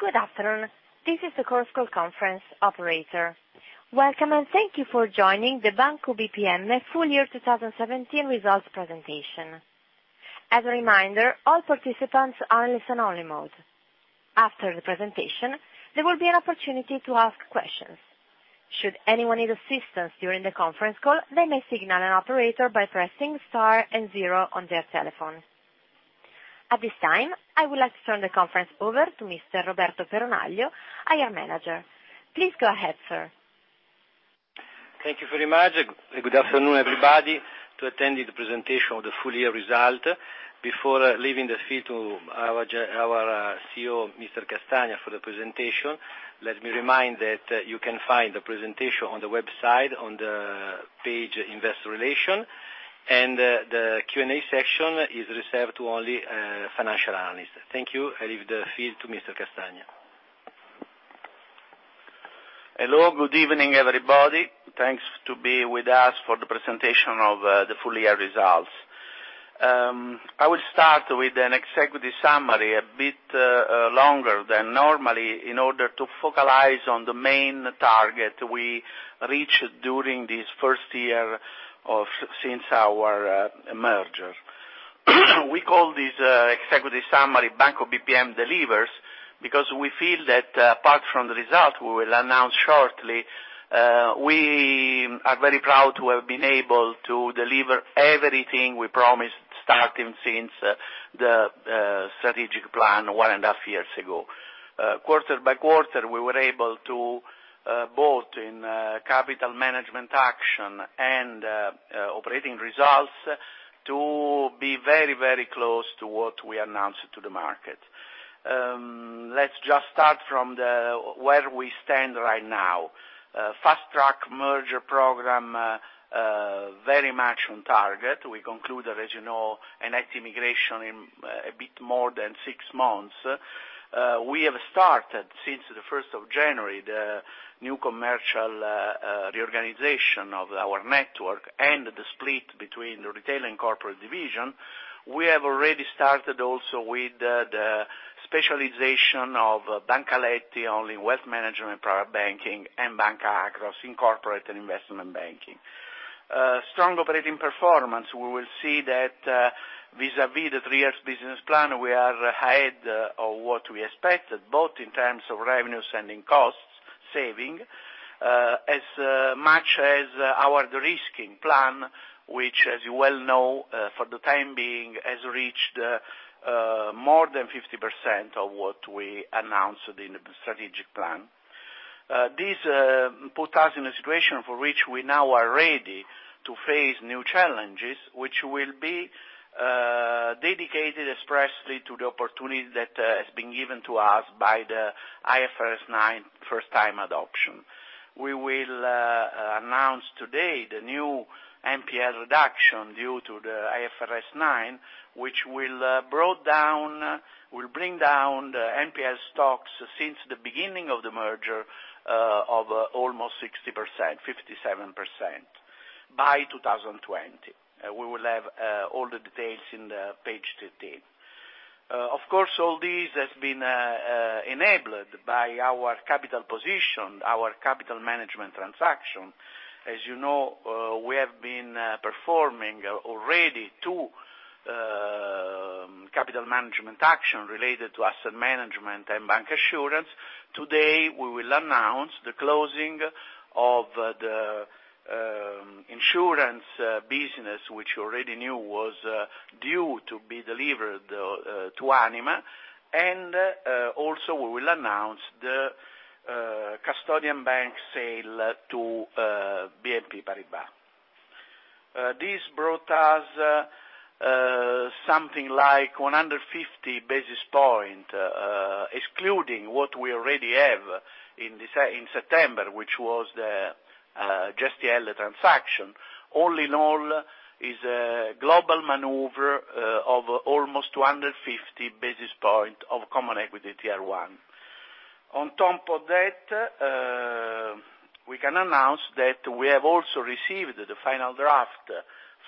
Good afternoon. This is the course call conference operator. Welcome, and thank you for joining the Banco BPM full year 2017 results presentation. As a reminder, all participants are in listen-only mode. After the presentation, there will be an opportunity to ask questions. Should anyone need assistance during the conference call, they may signal an operator by pressing Star and zero on their telephone. At this time, I would like to turn the conference over to Mr. Roberto Peronaglio, IR Manager. Please go ahead, sir. Thank you very much. Good afternoon, everybody, attending the presentation of the full year result. Before leaving the field to our CEO, Mr. Castagna, for the presentation, let me remind that you can find the presentation on the website on the page Investor Relations. The Q&A section is reserved to only financial analysts. Thank you. I leave the field to Mr. Castagna. Hello. Good evening, everybody. Thanks to be with us for the presentation of the full year results. I will start with an executive summary a bit longer than normal in order to focalize on the main target we reached during this first year since our merger. We call this executive summary Banco BPM Delivers because we feel that apart from the result we will announce shortly, we are very proud to have been able to deliver everything we promised starting since the strategic plan one and a half years ago. Quarter by quarter, we were able to, both in capital management action and operating results, to be very close to what we announced to the market. Let's just start from where we stand right now. Fast-track merger program, very much on target. We conclude, as you know, an IT migration in a bit more than six months. We have started, since the 1st of January, the new commercial reorganization of our network and the split between the retail and corporate division. We have already started also with the specialization of Banca Aletti, only wealth management, private banking, and Banca Akros in corporate and investment banking. Strong operating performance. We will see that vis-à-vis the 3 years business plan, we are ahead of what we expected, both in terms of revenues and in cost saving, as much as our de-risking plan, which, as you well know, for the time being, has reached more than 50% of what we announced in the strategic plan. This put us in a situation for which we now are ready to face new challenges, which will be dedicated expressly to the opportunity that has been given to us by the IFRS 9 first-time adoption. We will announce today the new NPL reduction due to the IFRS 9, which will bring down the NPL stocks since the beginning of the merger of almost 60%, 57%, by 2020. We will have all the details on page 13. Of course, all this has been enabled by our capital position, our capital management transaction. As you know, we have been performing already two capital management action related to asset management and bancassurance. Today, we will announce the closing of the insurance business, which you already knew was due to be delivered to Anima. Also, we will announce the custodian bank sale to BNP Paribas. This brought us something like 150 basis points, excluding what we already have in September, which was the Gestielle transaction. All in all, it's a global maneuver of almost 250 basis points of common equity Tier 1. On top of that, we can announce that we have also received the final draft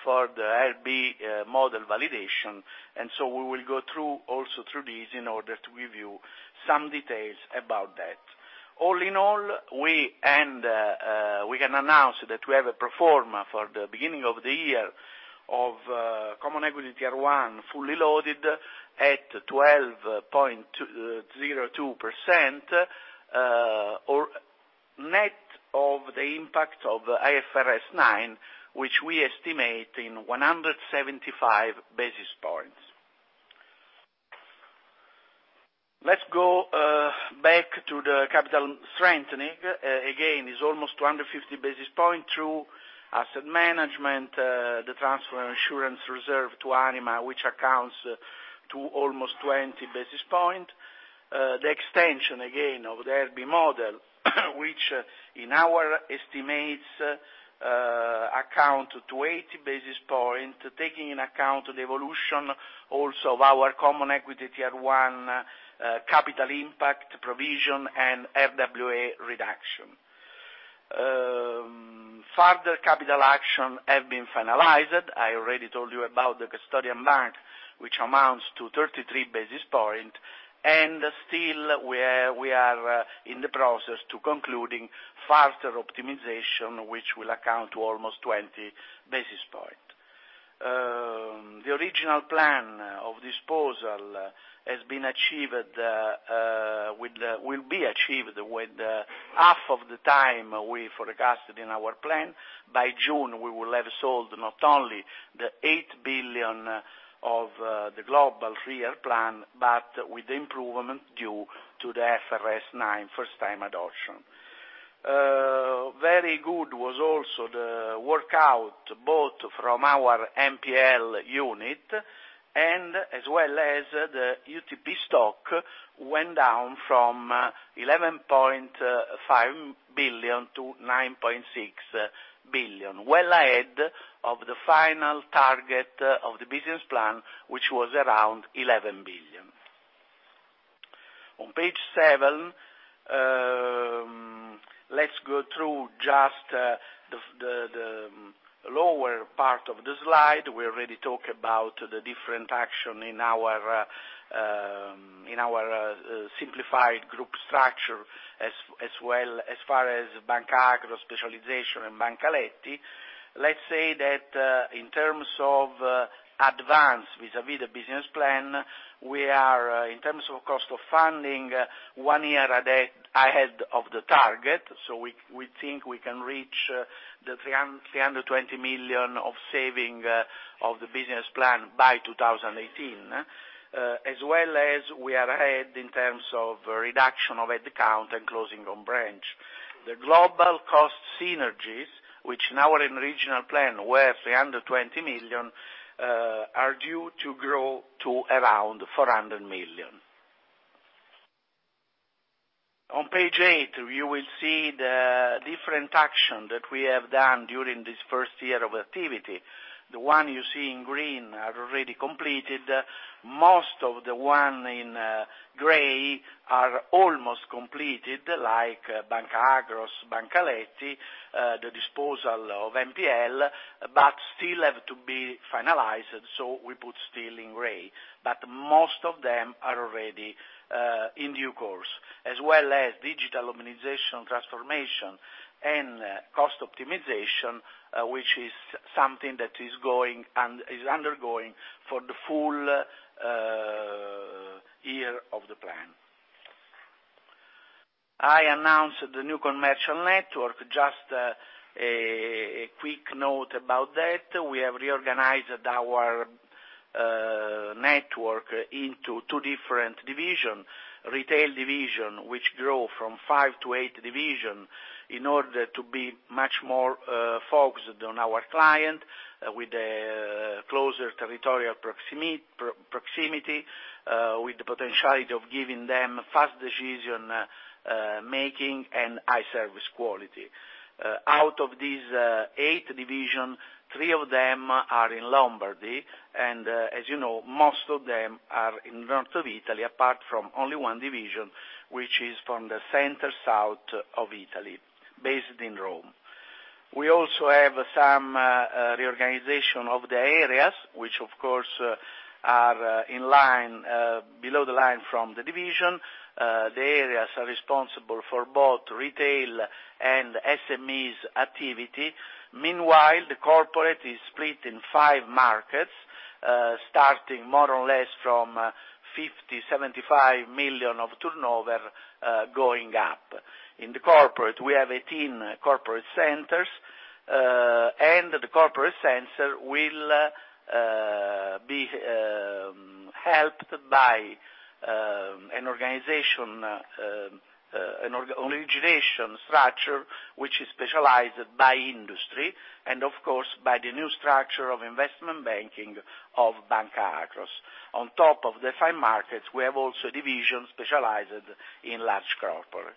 for the IRB model validation, and so we will go also through this in order to give you some details about that. All in all, we can announce that we have a pro forma for the beginning of the year of common equity Tier 1 fully loaded at 12.02%, or net of the impact of IFRS 9, which we estimate in 175 basis points. Let's go back to the capital strengthening. Again, it's almost 250 basis points through asset management, the transfer and insurance reserve to Anima, which accounts to almost 20 basis points. The extension, again, of the IRB model, which in our estimates account to 80 basis points, taking into account the evolution also of our common equity Tier 1 capital impact provision and RWA reduction. Further capital action have been finalized. I already told you about the custodian bank, which amounts to 33 basis points, and still we are in the process to concluding further optimization, which will account to almost 20 basis points. The original plan of disposal will be achieved with half of the time we forecasted in our plan. By June, we will have sold not only the 8 billion of the global three-year plan, but with the improvement due to the IFRS 9 first time adoption. Very good was also the workout, both from our NPL unit and as well as the UTP stock went down from 11.5 billion to 9.6 billion. Well ahead of the final target of the business plan, which was around 11 billion. On page seven, let's go through just the lower part of the slide. We already talked about the different action in our simplified group structure, as far as Banca Akros specialisation and Banca Aletti. Let's say that in terms of advance vis-à-vis the business plan, we are, in terms of cost of funding, one year ahead of the target. We think we can reach the 320 million of saving of the business plan by 2018. As well as we are ahead in terms of reduction of head count and closing on branch. The global cost synergies, which now in regional plan were 320 million, are due to grow to around 400 million. On page eight, you will see the different action that we have done during this first year of activity. The one you see in green are already completed. Most of the one in gray are almost completed, like Banca Akros, Banca Aletti, the disposal of NPL, still have to be finalized, so we put still in gray. Most of them are already in due course, as well as digital organization transformation and cost optimization, which is something that is undergoing for the full year of the plan. I announced the new commercial network. Just a quick note about that. We have reorganized our network into two different divisions. Retail division, which grew from five to eight divisions in order to be much more focused on our client with a closer territorial proximity, with the potentiality of giving them fast decision making and high service quality. Out of these eight divisions, three of them are in Lombardy, and as you know, most of them are in north of Italy, apart from only one division, which is from the center south of Italy, based in Rome. We also have some reorganization of the areas, which of course, are below the line from the division. The areas are responsible for both retail and SMEs activity. Meanwhile, the corporate is split in five markets, starting more or less from 50 million-75 million of turnover going up. In the corporate, we have 18 corporate centers, and the corporate center will be helped by an origination structure which is specialized by industry, and of course, by the new structure of investment banking of Banca Akros. On top of the five markets, we have also divisions specialized in large corporate.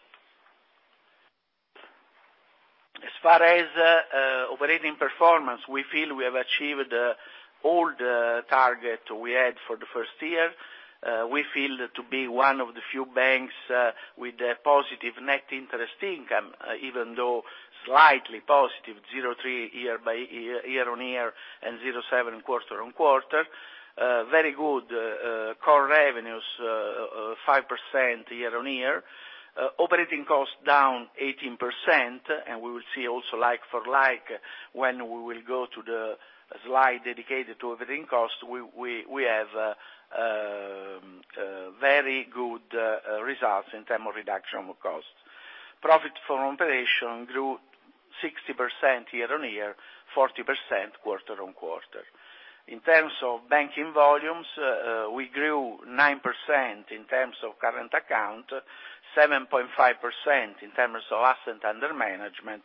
As far as operating performance, we feel we have achieved all the targets we had for the first year. We feel to be one of the few banks with a positive net interest income, even though slightly positive, 0.3% year-on-year, and 0.7% quarter-on-quarter. Very good core revenues, 5% year-on-year. Operating cost down 18%, and we will see also like for like, when we will go to the slide dedicated to operating cost, we have very good results in terms of reduction of cost. Profit from operation grew 60% year-on-year, 40% quarter-on-quarter. In terms of banking volumes, we grew 9% in terms of current accounts, 7.5% in terms of assets under management,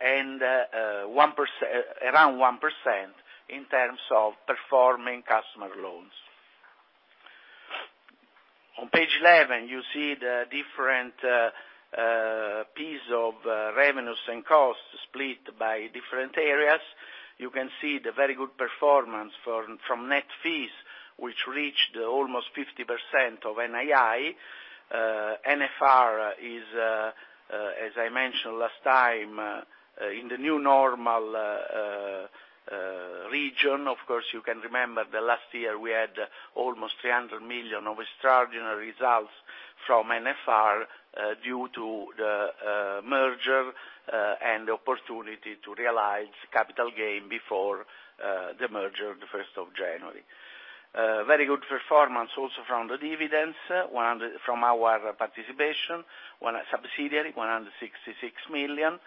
and around 1% in terms of performing customer loans. On page 11, you see the different pieces of revenues and costs split by different areas. You can see the very good performance from net fees, which reached almost 50% of NII. NFR is, as I mentioned last time, in the new normal region. Of course, you can remember last year, we had almost 300 million of extraordinary results from NFR due to the merger and opportunity to realize capital gain before the merger on the 1st of January. Very good performance also from the dividends from our participations, subsidiaries, EUR 166 million.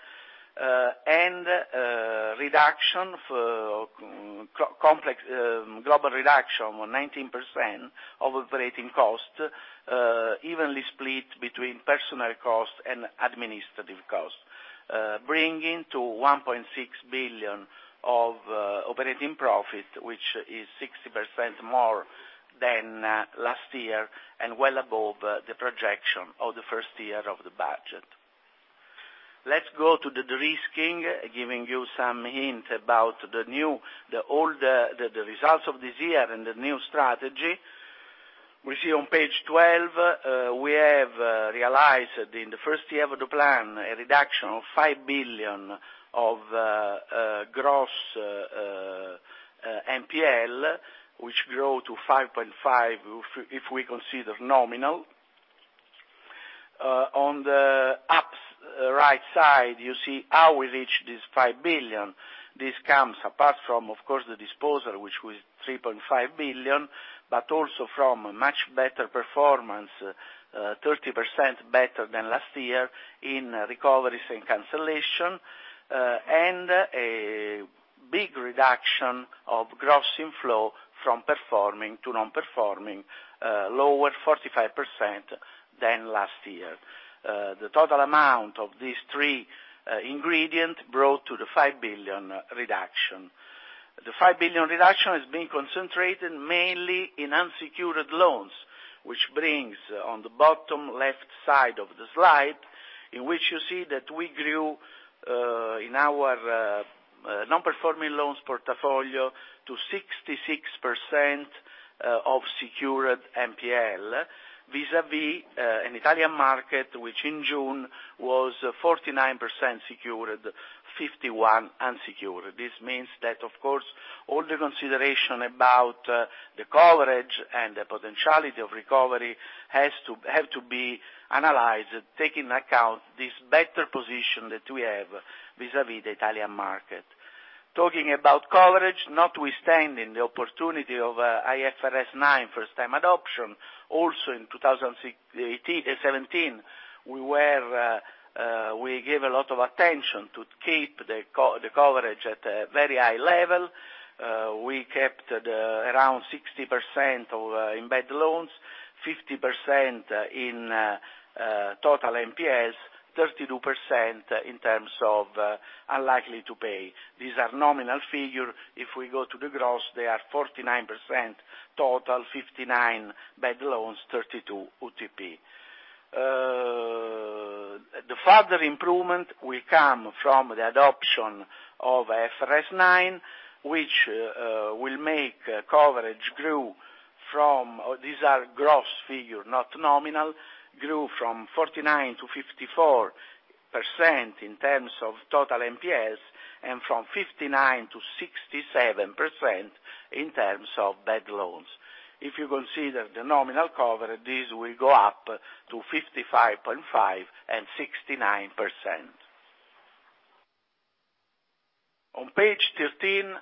Global reduction of 19% of operating costs, evenly split between personnel costs and administrative costs, bringing to 1.6 billion of operating profit, which is 60% more than last year and well above the projection of the first year of the budget. Let's go to the de-risking, giving you some hints about the results of this year and the new strategy. We see on page 12, we have realized in the first year of the plan, a reduction of 5 billion of gross NPL, which grow to 5.5 if we consider nominal. On the upper right side, you see how we reach this 5 billion. This comes apart from, of course, the disposal, which was 3.5 billion, but also from a much better performance, 30% better than last year in recoveries and cancellation. A big reduction of gross inflow from performing to non-performing, lower 45% than last year. The total amount of these three ingredients brought to the 5 billion reduction. The 5 billion reduction is being concentrated mainly in unsecured loans, which brings on the bottom left side of the slide, in which you see that we grew in our non-performing loans portfolio to 66% of secured NPL, vis-à-vis an Italian market, which in June was 49% secured, 51% unsecured. This means that, of course, all the consideration about the coverage and the potentiality of recovery have to be analyzed, taking account this better position that we have vis-à-vis the Italian market. Talking about coverage, notwithstanding the opportunity of IFRS 9 first-time adoption, also in 2017, we gave a lot of attention to keep the coverage at a very high level. We kept around 60% of bad loans, 50% in total NPLs, 32% in terms of unlikely to pay. These are nominal figures. If we go to the gross, they are 49% total, 59% bad loans, 32% UTP. The further improvement will come from the adoption of IFRS 9, which will make coverage grow from, these are gross figures, not nominal, grew from 49%-54% in terms of total NPLs, and from 59%-67% in terms of bad loans. If you consider the nominal coverage, this will go up to 55.5% and 69%. On page 13,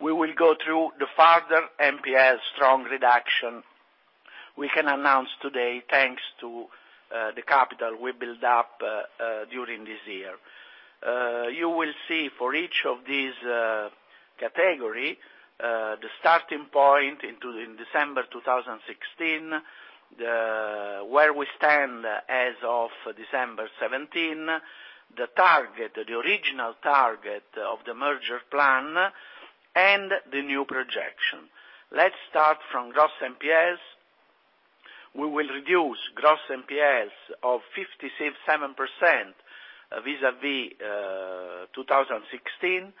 we will go through the further NPL strong reduction we can announce today, thanks to the capital we build up during this year. You will see for each of these categories, the starting point in December 2016, where we stand as of December 2017, the original target of the merger plan, and the new projection. Let's start from gross NPLs. We will reduce gross NPLs of 57% vis-à-vis 2016,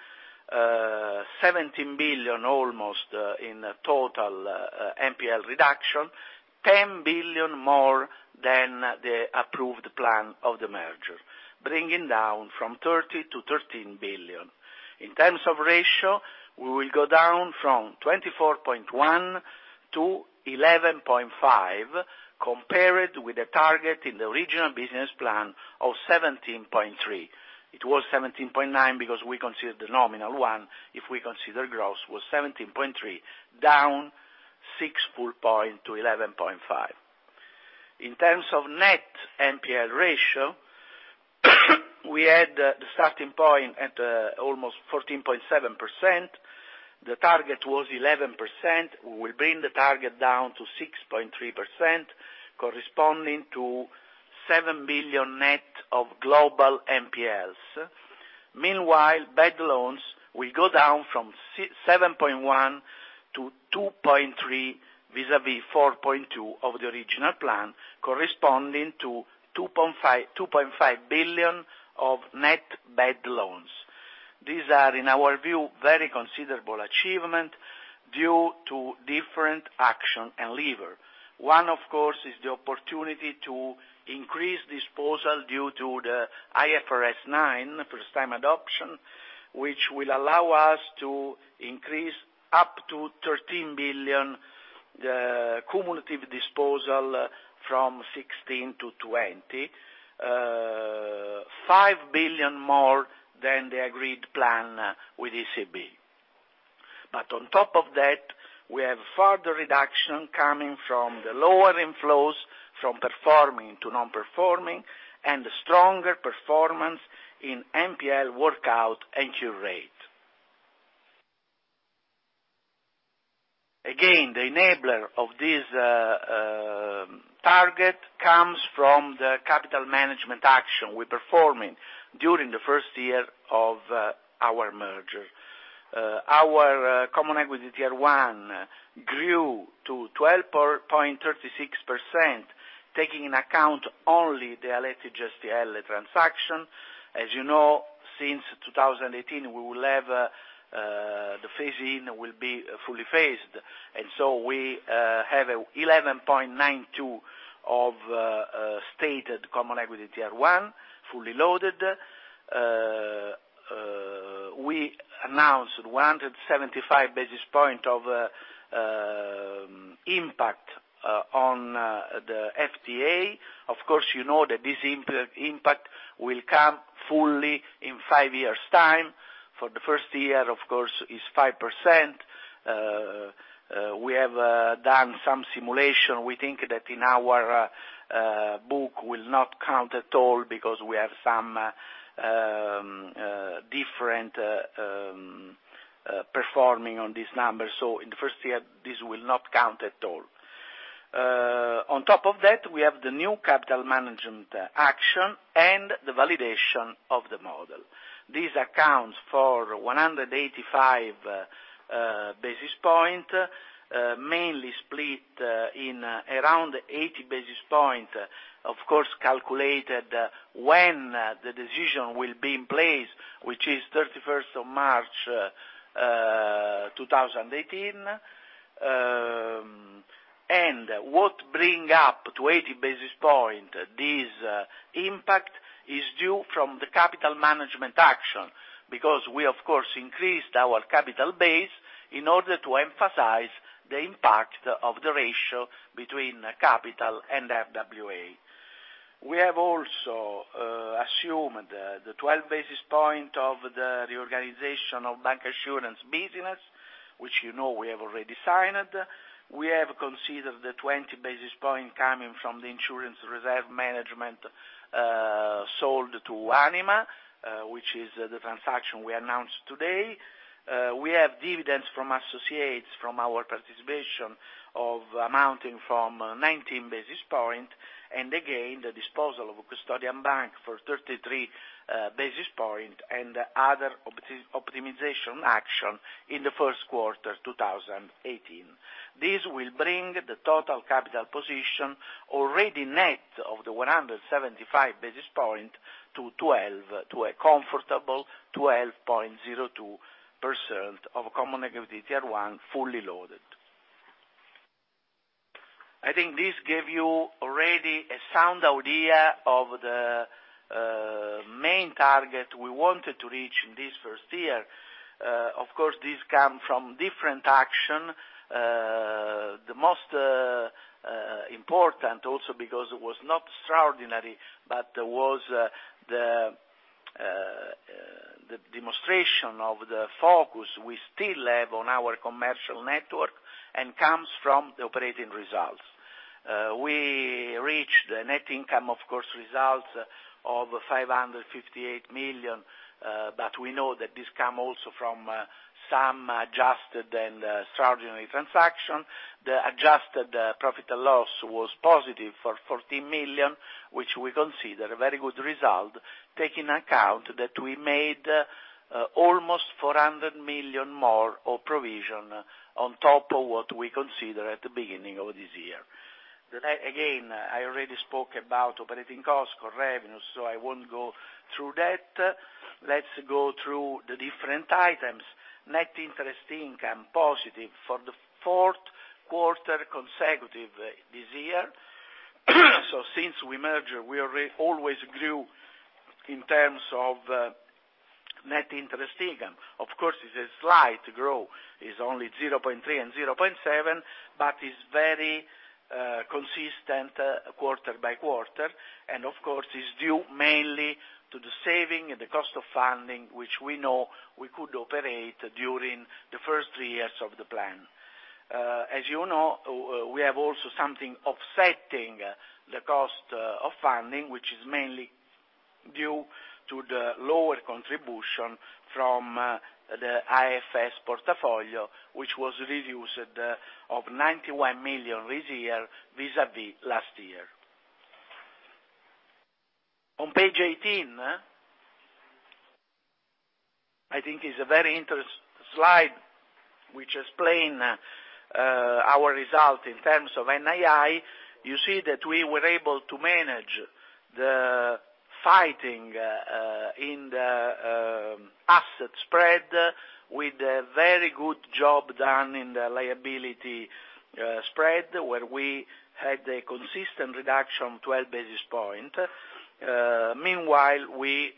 17 billion almost in total NPL reduction, 10 billion more than the approved plan of the merger, bringing down from 30 billion-13 billion. In terms of ratio, we will go down from 24.1%-11.5%, compared with the target in the original business plan of 17.3%. It was 17.9% because we considered the nominal one, if we consider gross was 17.3%, down six full points to 11.5%. In terms of net NPL ratio, we had the starting point at almost 14.7%. The target was 11%. We will bring the target down to 6.3%, corresponding to 7 billion net of global NPLs. Meanwhile, bad loans will go down from 7.1 billion-2.3 billion vis-à-vis 4.2 billion of the original plan, corresponding to 2.5 billion of net bad loans. These are, in our view, very considerable achievement due to different action and lever. One, of course, is the opportunity to increase disposal due to the IFRS 9 first-time adoption, which will allow us to increase up to 13 billion the cumulative disposal from 2016 to 2020, 5 billion more than the agreed plan with ECB. On top of that, we have further reduction coming from the lower inflows from performing to non-performing and stronger performance in NPL workout and cure rate. Again, the enabler of this target comes from the capital management action we're performing during the first year of our merger. Our common equity Tier 1 grew to 12.36%, taking in account only the Aletti Gestielle transaction. As you know, since 2018, the phase-in will be fully phased, we have 11.92% of stated common equity Tier 1, fully loaded. We announced 175 basis points of impact on the DTA. Of course, you know that this impact will come fully in five years' time. For the first year, of course, it's 5%. We have done some simulation. We think that in our book will not count at all because we have some different performing on these numbers. In the first year, this will not count at all. On top of that, we have the new capital management action and the validation of the model. This accounts for 185 basis points, mainly split in around 80 basis points, of course, calculated when the decision will be in place, which is 31st of March 2018. What bring up to 80 basis points this impact is due from the capital management action, because we, of course, increased our capital base in order to emphasize the impact of the ratio between capital and RWA. We have also assumed the 12 basis points of the reorganization of bank insurance business, which you know we have already signed. We have considered the 20 basis points coming from the insurance reserve management sold to Anima, which is the transaction we announced today. We have dividends from associates from our participation amounting from 19 basis points, and again, the disposal of a custodian bank for 33 basis points and other optimization action in the first quarter 2018. This will bring the total capital position already net of the 175 basis points to a comfortable 12.02% of common equity Tier 1 fully loaded. I think this give you already a sound idea of the main target we wanted to reach in this first year. Of course, this come from different action. The most important also because it was not extraordinary, but was the demonstration of the focus we still have on our commercial network and comes from the operating results. We reached the net income, of course, results of 558 million, we know that this come also from some adjusted and extraordinary transaction. The adjusted profit and loss was positive for 14 million, which we consider a very good result, taking account that we made almost 400 million more of provision on top of what we consider at the beginning of this year. I already spoke about operating cost, core revenue, I won't go through that. Let's go through the different items. Net interest income positive for the fourth quarter consecutive this year. Since we merged, we always grew in terms of net interest income. Of course, it's a slight growth, it's only 0.3 and 0.7, but it's very consistent quarter by quarter. Of course, it's due mainly to the saving and the cost of funding, which we know we could operate during the first three years of the plan. As you know, we have also something offsetting the cost of funding, which is mainly due to the lower contribution from the IFRS portfolio, which was reduced of 91 million this year vis-à-vis last year. On page 18, I think is a very interesting slide which explains our result in terms of NII. You see that we were able to manage the fighting in the asset spread with a very good job done in the liability spread, where we had a consistent reduction, 12 basis points. Meanwhile, we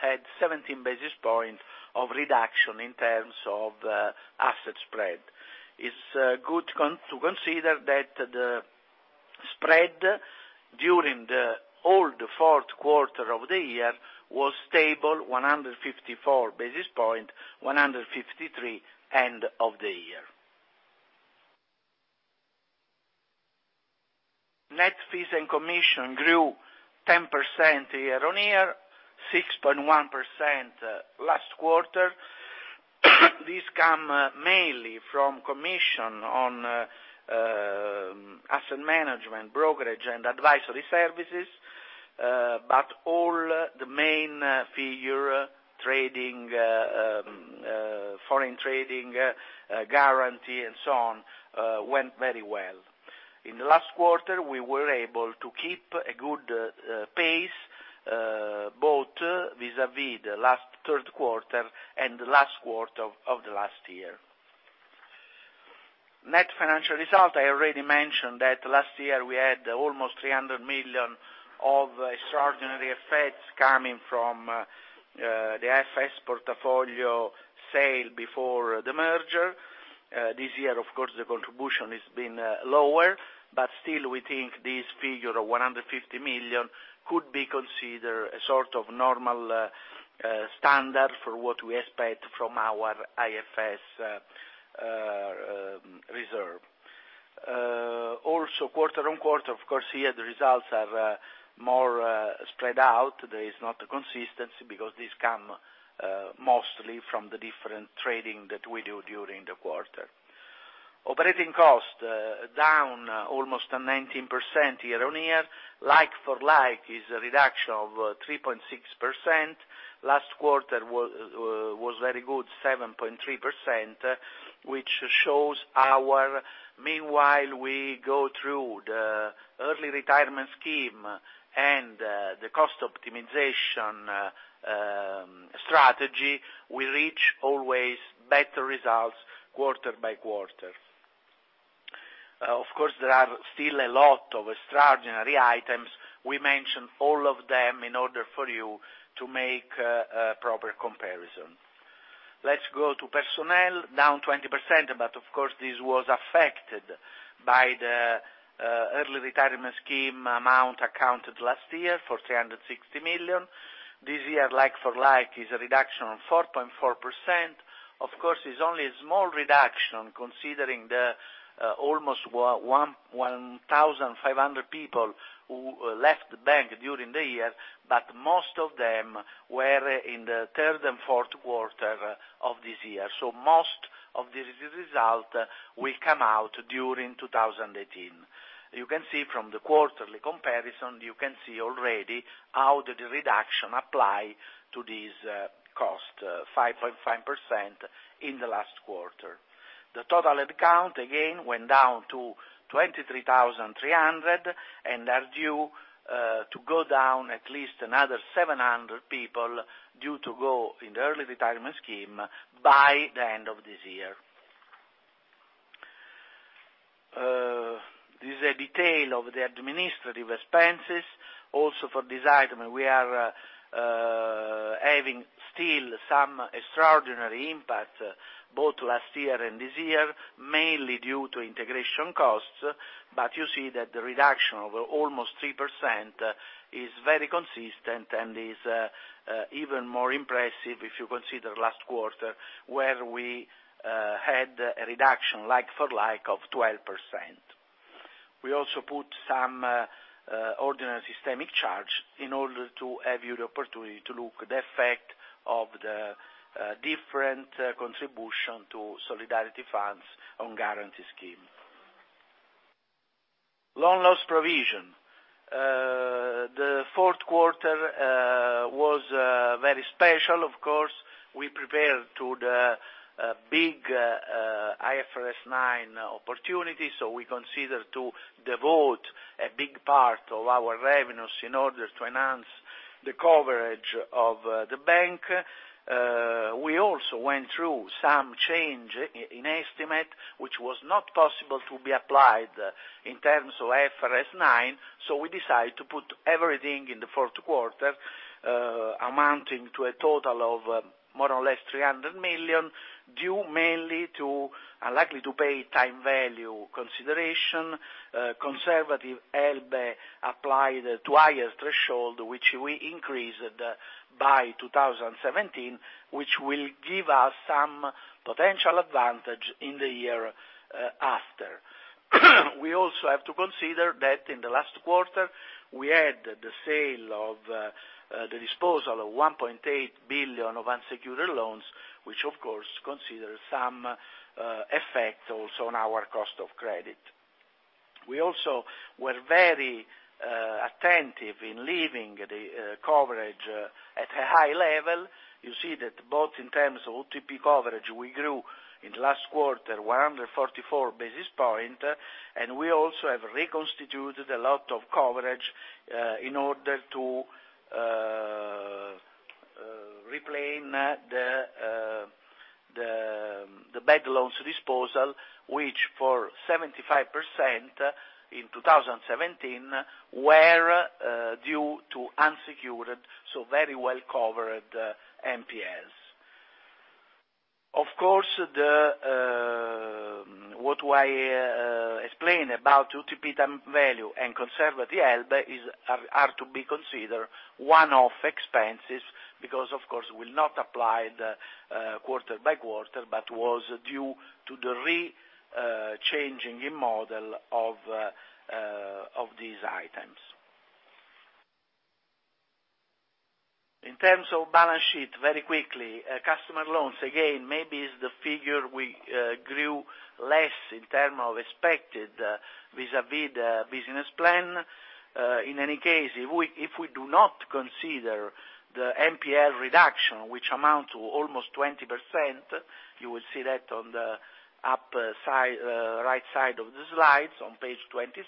had 17 basis points of reduction in terms of asset spread. It's good to consider that the spread during the whole fourth quarter of the year was stable, 154 basis points, 153 end of the year. Net fees and commission grew 10% year-on-year, 6.1% last quarter. This comes mainly from commission on asset management, brokerage, and advisory services. All the main figures, foreign trading, guarantee, and so on, went very well. In the last quarter, we were able to keep a good pace both vis-à-vis the last third quarter and the last quarter of the last year. Net financial result, I already mentioned that last year we had almost 300 million of extraordinary effects coming from the AFS portfolio sale before the merger. This year, of course, the contribution has been lower, but still we think this figure of 150 million could be considered a sort of normal standard for what we expect from our AFS reserve. Also quarter-on-quarter, of course, here the results are more spread out. There is not a consistency because this comes mostly from the different trading that we do during the quarter. Operating cost, down almost 19% year-on-year. Like-for-like is a reduction of 3.6%. Last quarter was very good, 7.3%, which shows how meanwhile we go through the early retirement scheme and the cost optimization strategy, we reach always better results quarter by quarter. Of course, there are still a lot of extraordinary items. We mentioned all of them in order for you to make a proper comparison. Let's go to personnel. Down 20%, of course this was affected by the early retirement scheme amount accounted last year for 360 million. This year, like-for-like is a reduction of 4.4%. Of course, it's only a small reduction considering the almost 1,500 people who left the bank during the year, most of them were in the third and fourth quarter of this year. Most of this result will come out during 2018. You can see from the quarterly comparison, you can see already how the reduction applies to this cost, 5.5% in the last quarter. The total head count again went down to 23,300 and are due to go down at least another 700 people due to go in the early retirement scheme by the end of this year. This is a detail of the administrative expenses. Also for this item, we are having still some extraordinary impact both last year and this year, mainly due to integration costs. You see that the reduction of almost 3% is very consistent and is even more impressive if you consider last quarter, where we had a reduction like for like of 12%. We also put some ordinary systemic charge in order to have you the opportunity to look the effect of the different contribution to solidarity funds on guarantee scheme. Loan loss provision. The fourth quarter was very special, of course. We prepared to the big IFRS 9 opportunity, so we consider to devote a big part of our revenues in order to enhance the coverage of the bank. We also went through some change in estimate, which was not possible to be applied in terms of IFRS 9. We decide to put everything in the fourth quarter amounting to a total of more or less 300 million, due mainly to unlikely to pay time value consideration, conservative ELBE applied to higher threshold, which we increased by 2017, which will give us some potential advantage in the year after. We also have to consider that in the last quarter, we had the sale of the disposal of 1.8 billion of unsecured loans, which of course consider some effect also on our cost of credit. We also were very attentive in leaving the coverage at a high level. You see that both in terms of UTP coverage, we grew in the last quarter 144 basis point, and we also have reconstituted a lot of coverage in order to replace the bad loans disposal, which for 75% in 2017 were due to unsecured, so very well-covered NPLs. Of course, what I explained about UTP value and conservative ELBE are to be considered one-off expenses because, of course, will not apply the quarter by quarter, but was due to the re-changing in model of these items. In terms of balance sheet, very quickly, customer loans, again, maybe is the figure we grew less in term of expected vis-à-vis the business plan. In any case, if we do not consider the NPL reduction, which amount to almost 20%, you will see that on the upper right side of the slides on page 26.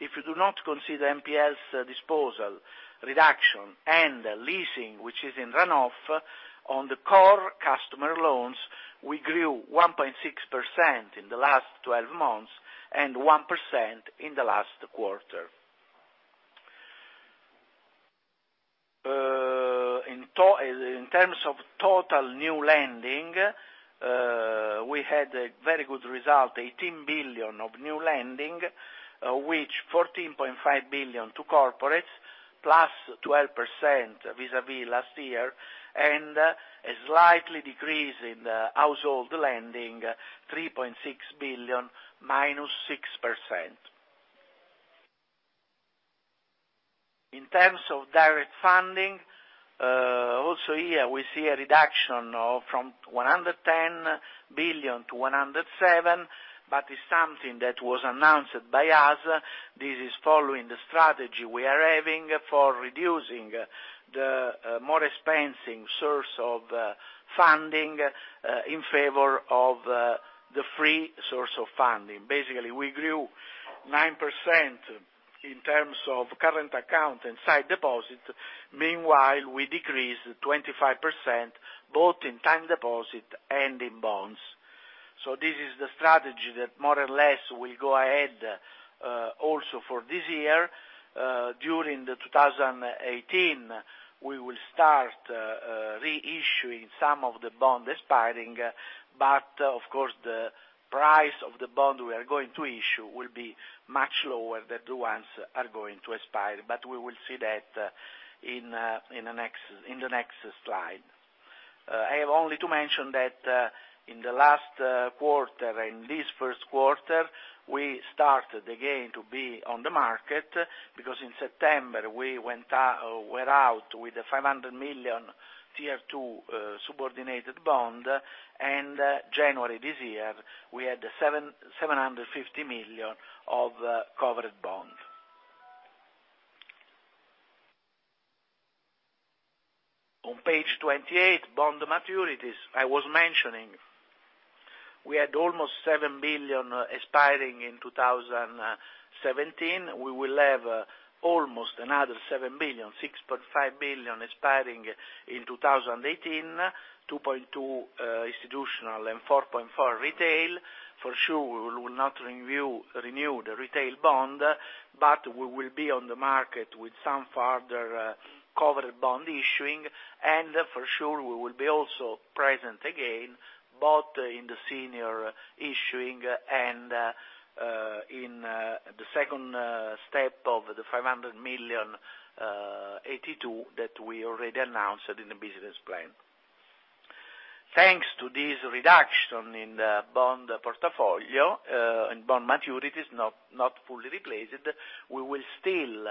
If you do not consider NPLs disposal reduction and leasing, which is in run-off on the core customer loans, we grew 1.6% in the last 12 months and 1% in the last quarter. In terms of total new lending, we had a very good result, 18 billion of new lending, which 14.5 billion to corporates, +12% vis-à-vis last year, and a slightly decrease in the household lending, 3.6 billion, -6%. In terms of direct funding, also here we see a reduction from 110 billion to 107 billion. It's something that was announced by us. This is following the strategy we are having for reducing the more expensive source of funding in favor of the free source of funding. Basically, we grew 9% in terms of current account and sight deposit. Meanwhile, we decreased 25%, both in time deposit and in bonds. This is the strategy that more or less will go ahead also for this year. During 2018, we will start reissuing some of the bond expiring. Of course, the price of the bond we are going to issue will be much lower than the ones are going to expire. We will see that in the next slide. I have only to mention that in the last quarter, in this first quarter, we started again to be on the market, because in September we went out with a 500 million Tier 2 subordinated bond, and January this year, we had 750 million of covered bond. On page 28, bond maturities, I was mentioning we had almost 7 billion expiring in 2017. We will have almost another 7 billion, 6.5 billion expiring in 2018, 2.2 institutional and 4.4 retail. For sure, we will not renew the retail bond, we will be on the market with some further covered bond issuing, and for sure, we will be also present again, both in the senior issuing and in the second step of the 500 million AT2 that we already announced in the business plan. Thanks to this reduction in the bond portfolio and bond maturities not fully replaced, we will still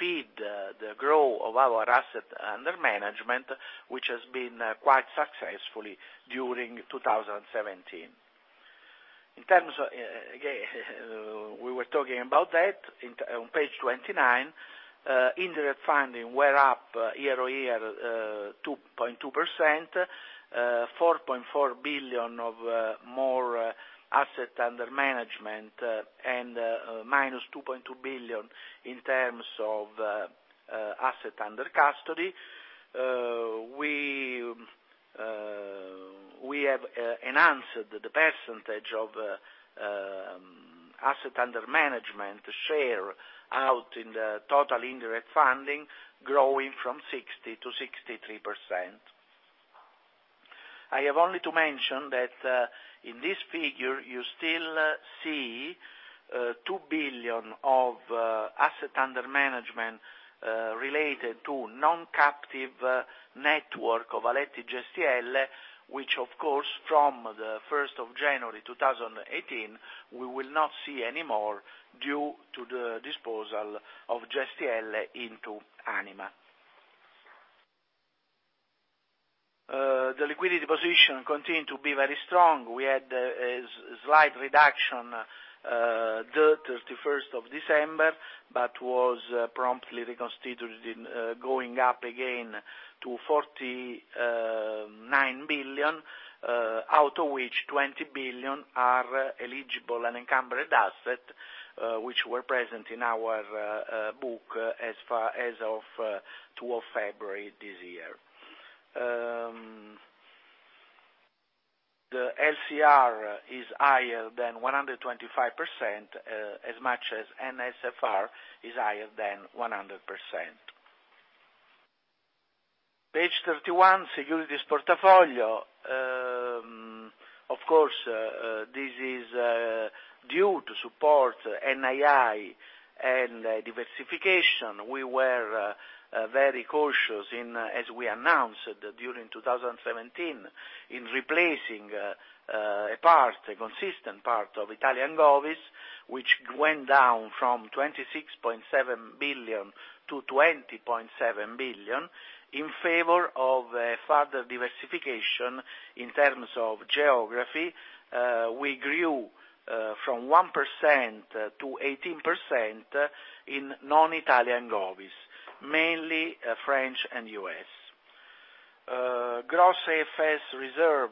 feed the growth of our asset under management, which has been quite successfully during 2017. We were talking about that on page 29. Indirect funding were up year-over-year 2.2%, 4.4 billion of more asset under management and minus 2.2 billion in terms of asset under custody. We have enhanced the percentage of asset under management share out in the total indirect funding, growing from 60% to 63%. I have only to mention that in this figure, you still see 2 billion of asset under management related to non-captive network of Aletti Gestielle, which of course, from the 1st of January 2018, we will not see anymore due to the disposal of Gestielle into Anima. The liquidity position continued to be very strong. We had a slight reduction the 31st of December, was promptly reconstituted, going up again to 49 billion, out of which 20 billion are eligible unencumbered assets, which were present in our book as of 2 February this year. The LCR is higher than 125%, as much as NSFR is higher than 100%. Page 31, securities portfolio. Of course, this is due to support NII and diversification. We were very cautious, as we announced during 2017, in replacing a consistent part of Italian Govies, which went down from 26.7 billion to 20.7 billion in favor of further diversification in terms of geography. We grew from 1% to 18% in non-Italian Govies, mainly French and U.S. Gross AFS reserve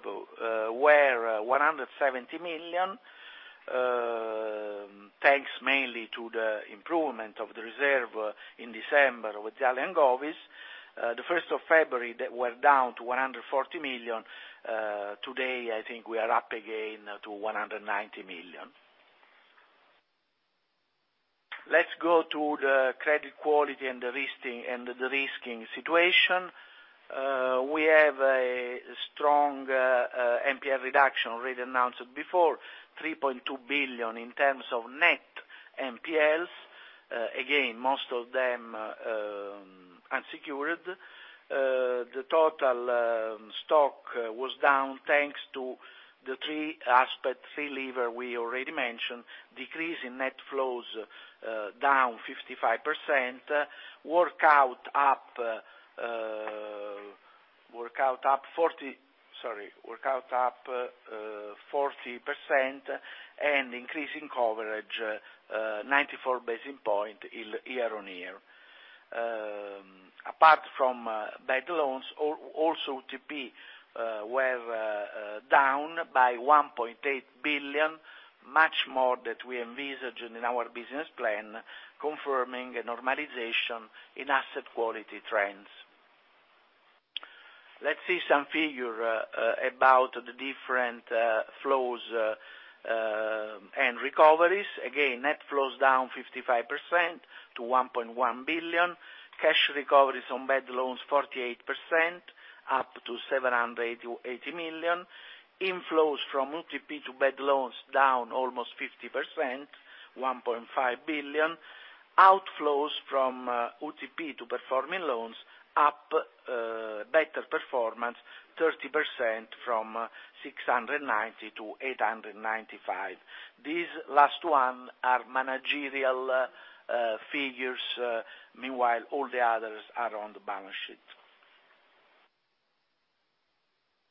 were 170 million, thanks mainly to the improvement of the reserve in December with Italian Govies. The 1st of February, they were down to 140 million. Today, I think we are up again to 190 million. Let's go to the credit quality and the de-risking situation. We have a strong NPL reduction already announced before, 3.2 billion in terms of net NPLs. Again, most of them unsecured. The total stock was down, thanks to the three aspects, three levers we already mentioned. Decrease in net flows, down 55%. Work out, up 40% and increase in coverage, 94 basis points year-on-year. Apart from bad loans, also UTP were down by 1.8 billion, much more that we envisage in our business plan, confirming a normalization in asset quality trends. Let's see some figure about the different flows and recoveries. Again, net flows down 55% to 1.1 billion. Cash recoveries on bad loans, 48%, up to 780 million. Inflows from UTP to bad loans, down almost 50%, 1.5 billion. Outflows from UTP to performing loans, up, better performance, 30% from 690 to 895. These last ones are managerial figures. All the others are on the balance sheet.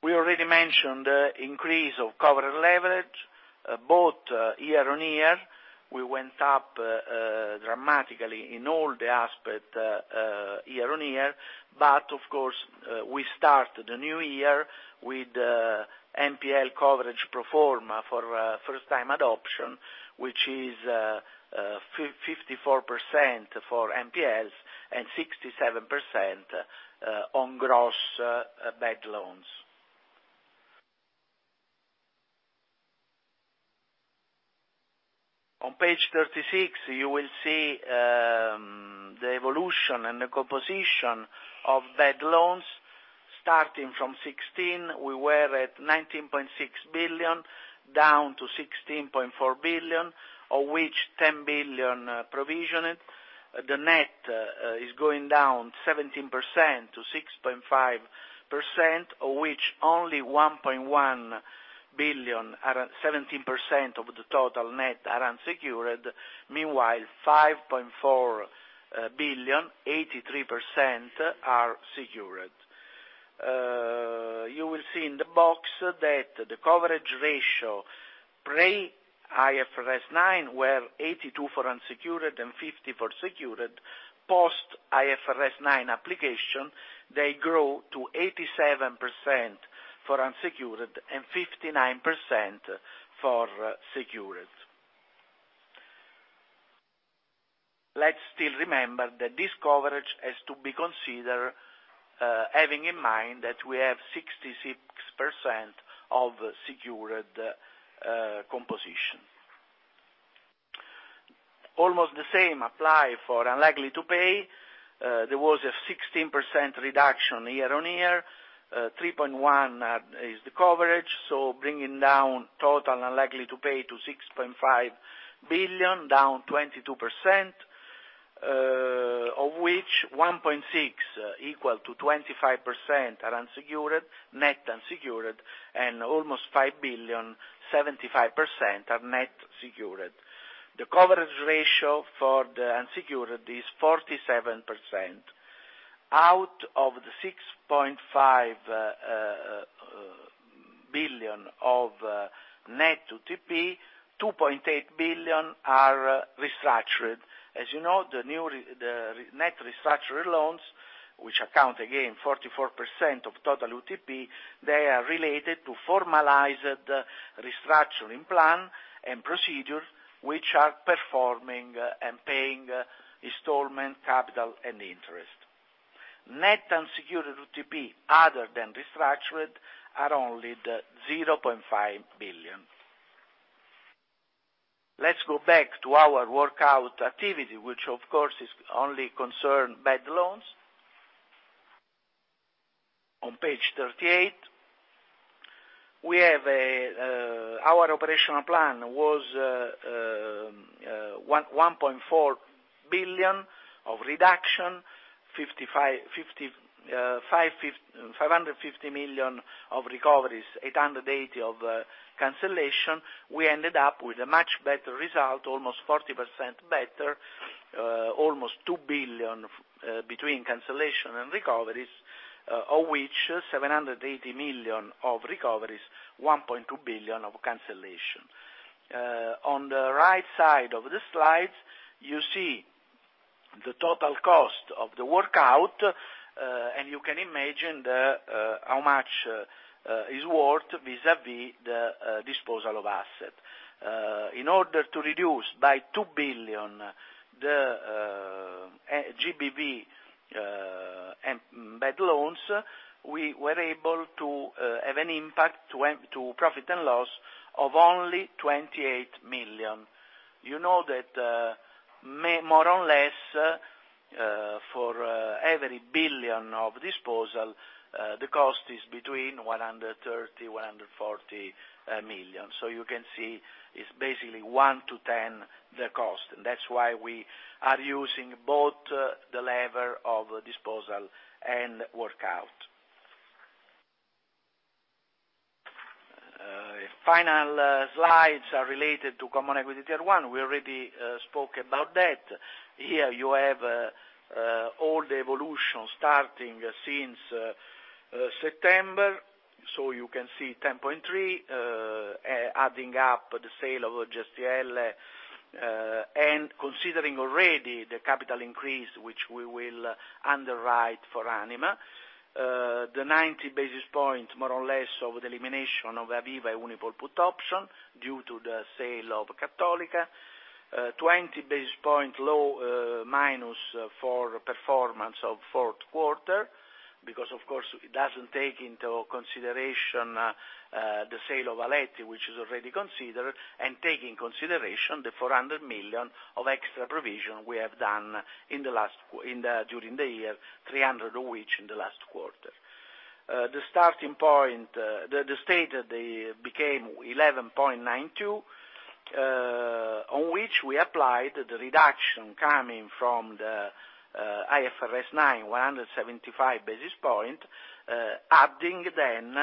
We already mentioned the increase of coverage leverage both year-on-year. We went up dramatically in all the aspects year-on-year. Of course, we start the new year with NPL coverage pro forma for first-time adoption, which is 54% for NPLs and 67% on gross bad loans. On page 36, you will see the evolution and the composition of bad loans. Starting from 2016, we were at 19.6 billion, down to 16.4 billion, of which 10 billion provisioned. The net is going down 17% to 6.5%, of which only 1.1 billion, 17% of the total net are unsecured. 5.4 billion, 83% are secured. You will see in the box that the coverage ratio pre IFRS 9 were 82 for unsecured and 50 for secured. Post IFRS 9 application, they grow to 87% for unsecured and 59% for secured. Let's still remember that this coverage is to be considered having in mind that we have 66% of secured composition. Almost the same apply for unlikely to pay. There was a 16% reduction year-on-year. 3.1 is the coverage. Bringing down total unlikely to pay to 6.5 billion, down 22%, of which 1.6, equal to 25%, are net unsecured, and almost 5 billion, 75%, are net secured. The coverage ratio for the unsecured is 47%. Out of the 6.5 billion of net UTP, 2.8 billion are restructured. As you know, the net restructured loans, which account again 44% of total UTP, they are related to formalized restructuring plan and procedure, which are performing and paying installment capital and interest. Net unsecured UTP other than restructured are only the 0.5 billion. Let's go back to our workout activity, which of course is only concerned bad loans. On page 38, our operational plan was 1.4 billion of reduction, 550 million of recoveries, 880 of cancellation. We ended up with a much better result, almost 40% better, almost 2 billion between cancellation and recoveries, of which 780 million of recoveries, 1.2 billion of cancellation. On the right side of the slide, you see the total cost of the workout. You can imagine how much is worth vis-à-vis the disposal of asset. In order to reduce by 2 billion the GBL bad loans, we were able to have an impact to profit and loss of only 28 million. You know that more or less for every billion of disposal, the cost is between 130 million-140 million. You can see it's basically 1 to 10 the cost. That's why we are using both the lever of disposal and workout. Final slides are related to Common Equity Tier 1. We already spoke about that. Here you have all the evolution starting since September. You can see 10.3, adding up the sale of Gestielle and considering already the capital increase, which we will underwrite for Anima. The 90 basis points more or less of the elimination of Aviva and Unipol put option due to the sale of Cattolica. 20 basis point low minus for performance of fourth quarter because, of course, it doesn't take into consideration the sale of Aletti, which is already considered, and take in consideration the 400 million of extra provision we have done during the year, 300 of which in the last quarter. The state became 11.92, on which we applied the reduction coming from the IFRS 9 175 basis point, adding then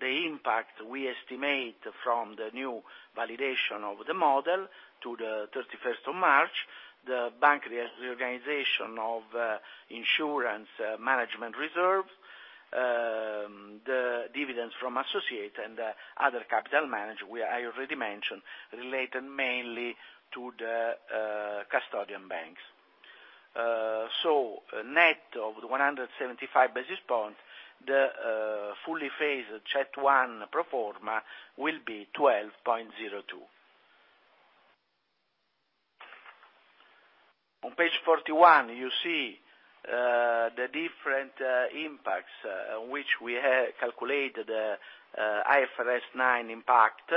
the impact we estimate from the new validation of the model to the 31st of March, the bank reorganization of insurance management reserve, the dividends from associate and other capital management I already mentioned related mainly to the custodian banks. Net of 175 basis point, the fully phased CET1 pro forma will be 12.02. On page 41, you see the different impacts on which we calculated IFRS 9 impact.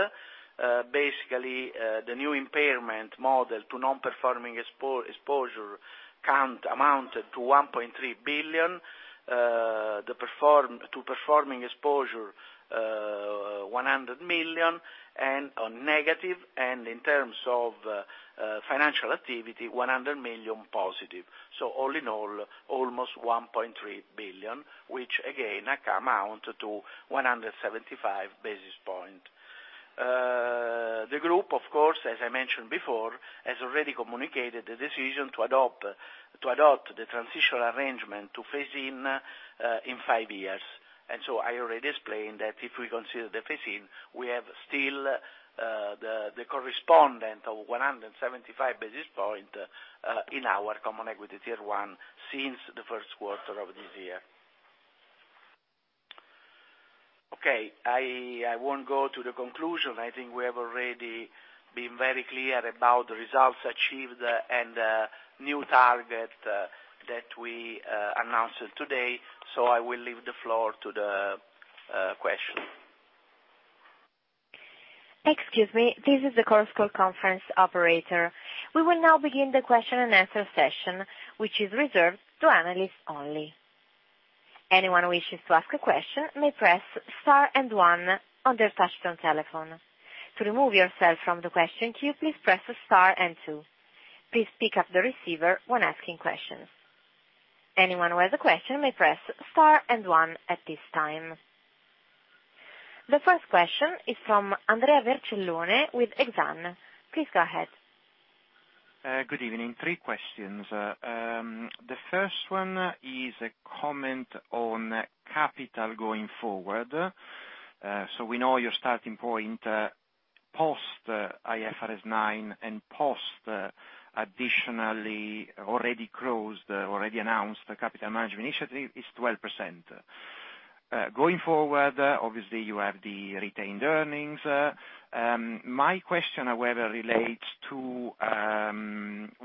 Basically, the new impairment model to non-performing exposure amounted to 1.3 billion, to performing exposure 100 million and on negative, and in terms of financial activity, 100 million positive. All in all, almost 1.3 billion, which again amount to 175 basis point. The group, of course, as I mentioned before, has already communicated the decision to adopt the transitional arrangement to phase in in five years. I already explained that if we consider the phase in, we have still the correspondent of 175 basis point in our common equity Tier 1 since the first quarter of this year. Okay, I won't go to the conclusion. I think we have already been very clear about the results achieved and new target that we announced today. I will leave the floor to the question. Excuse me. This is the conference call operator. We will now begin the question and answer session, which is reserved to analysts only. Anyone who wishes to ask a question may press Star and One on their touchtone telephone. To remove yourself from the question queue, please press Star and Two. Please pick up the receiver when asking questions. Anyone who has a question may press Star and One at this time. The first question is from Andrea Vercellone with Exane. Please go ahead. Good evening. Three questions. The first one is a comment on capital going forward. We know your starting point post IFRS 9 and post additionally already closed, already announced, the capital management initiative is 12%. Going forward, obviously you have the retained earnings. My question, however, relates to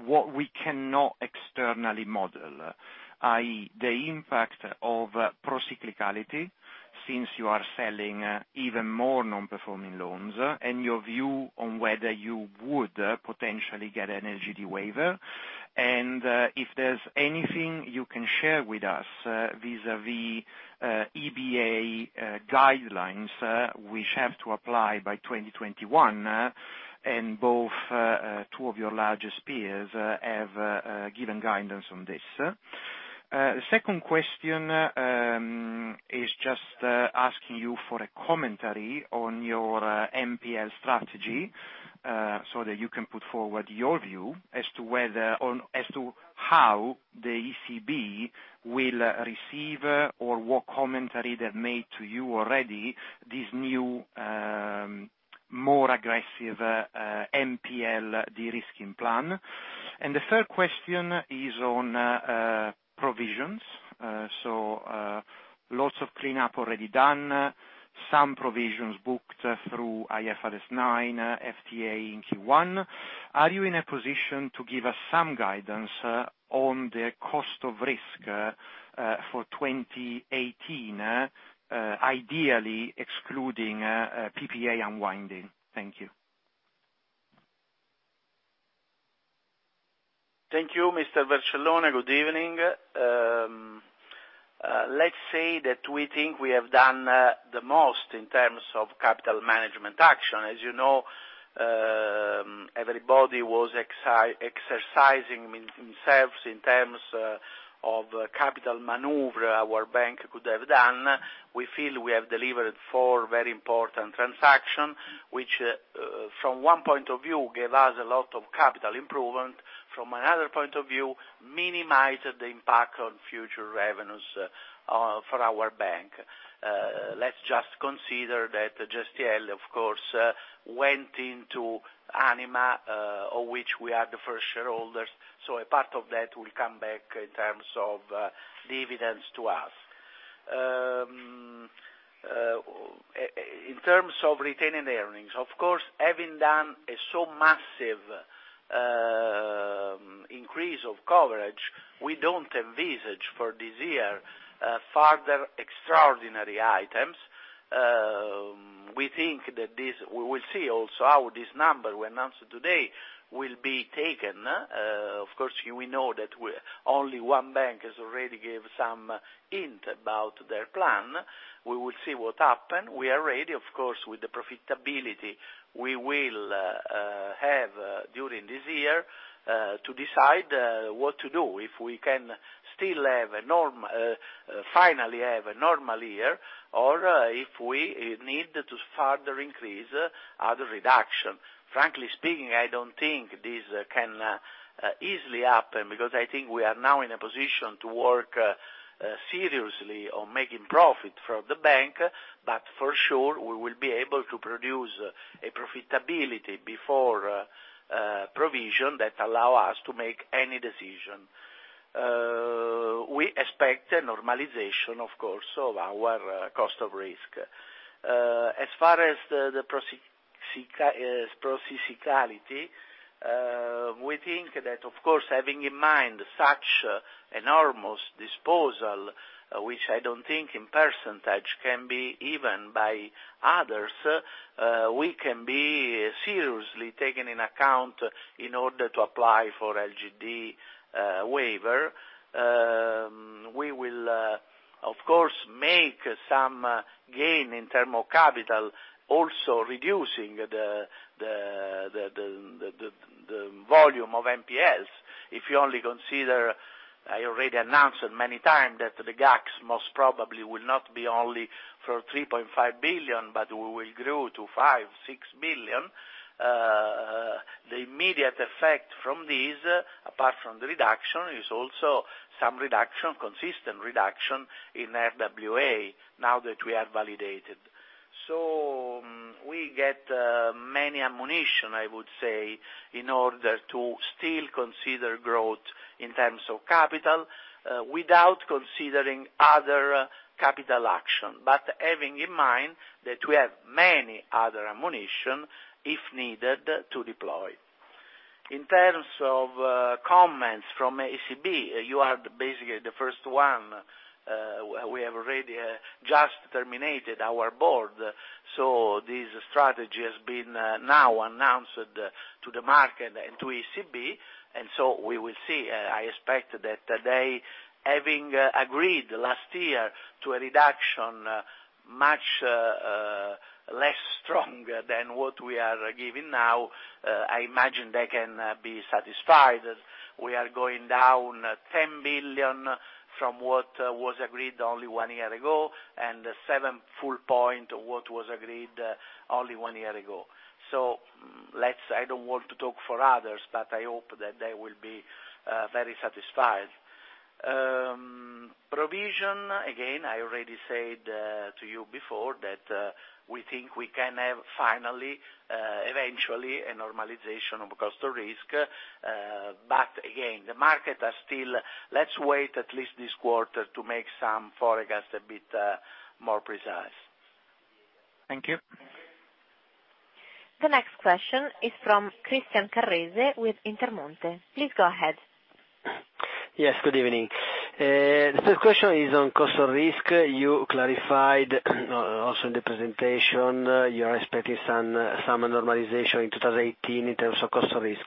what we cannot externally model, i.e., the impact of pro-cyclicality since you are selling even more non-performing loans, and your view on whether you would potentially get an LGD waiver. If there's anything you can share with us vis-a-vis EBA guidelines, which have to apply by 2021, and both two of your largest peers have given guidance on this. The second question is just asking you for a commentary on your NPL strategy, that you can put forward your view as to how the ECB will receive or what commentary they've made to you already, this new, more aggressive NPL de-risking plan. The third question is on provisions. Lots of cleanup already done. Some provisions booked through IFRS 9, FTA in Q1. Are you in a position to give us some guidance on the cost of risk for 2018 ideally excluding PPA unwinding? Thank you. Thank you, Mr. Vercellone. Good evening. Let's say that we think we have done the most in terms of capital management action. As you know, everybody was exercising themselves in terms of capital maneuver our bank could have done. We feel we have delivered four very important transaction, which from one point of view, gave us a lot of capital improvement, from another point of view, minimized the impact on future revenues for our bank. Let's just consider that Gestielle, of course, went into Anima, of which we are the first shareholders, a part of that will come back in terms of dividends to us. In terms of retained earnings, of course, having done a so massive increase of coverage, we don't envisage for this year further extraordinary items. We will see also how this number we announced today will be taken. Of course, we know that only one bank has already gave some hint about their plan. We will see what happen. We are ready, of course, with the profitability we will have during this year, to decide what to do, if we can finally have a normal year or if we need to further increase other reduction. Frankly speaking, I don't think this can easily happen because I think we are now in a position to work seriously on making profit from the bank. For sure, we will be able to produce a profitability before provision that allow us to make any decision. We expect a normalization, of course, of our cost of risk. As far as the procyclicality, we think that, of course, having in mind such enormous disposal, which I don't think in percentage can be even by others, we can be seriously taken in account in order to apply for LGD waiver. We will, of course, make some gain in term of capital also reducing the volume of NPLs. If you only consider, I already announced it many times that the GACS most probably will not be only for 3.5 billion, but we will grow to 5 billion-6 billion. The immediate effect from this, apart from the reduction, is also some consistent reduction in RWA now that we are validated. We get many ammunition, I would say, in order to still consider growth in terms of capital without considering other capital action, but having in mind that we have many other ammunition, if needed, to deploy. In terms of comments from ECB, you are basically the first one. We have already just terminated our board, this strategy has been now announced to the market and to ECB. We will see. I expect that they, having agreed last year to a reduction much less strong than what we are giving now. I imagine they can be satisfied. We are going down 10 billion from what was agreed only one year ago, and seven full point what was agreed only one year ago. I don't want to talk for others, but I hope that they will be very satisfied. Provision, again, I already said to you before that we think we can have finally, eventually, a normalization of cost of risk. Again, let's wait at least this quarter to make some forecast a bit more precise. Thank you. The next question is from Christian Carrese with Intermonte. Please go ahead. Yes, good evening. The first question is on cost of risk. You clarified also in the presentation, you are expecting some normalization in 2018 in terms of cost of risk.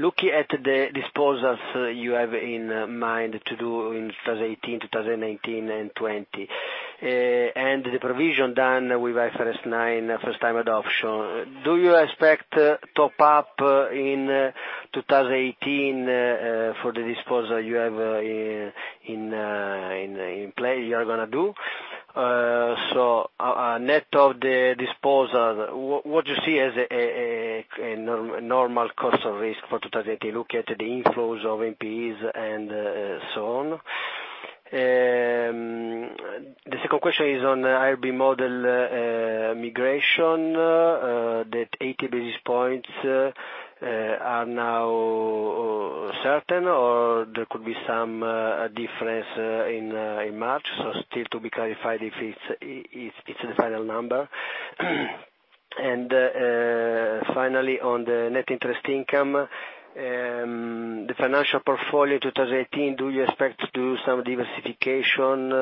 Looking at the disposals you have in mind to do in 2018, 2019, and 2020, and the provision done with IFRS 9 first-time adoption, do you expect top-up in 2018 for the disposal you have in play, you are going to do? Net of the disposal, what do you see as a normal cost of risk for 2018, looking at the inflows of NPEs and so on? The second question is on the IRB model migration, that 80 basis points are now certain, or there could be some difference in March. Still to be clarified if it is the final number. Finally, on the net interest income, the financial portfolio 2018, do you expect to do some diversification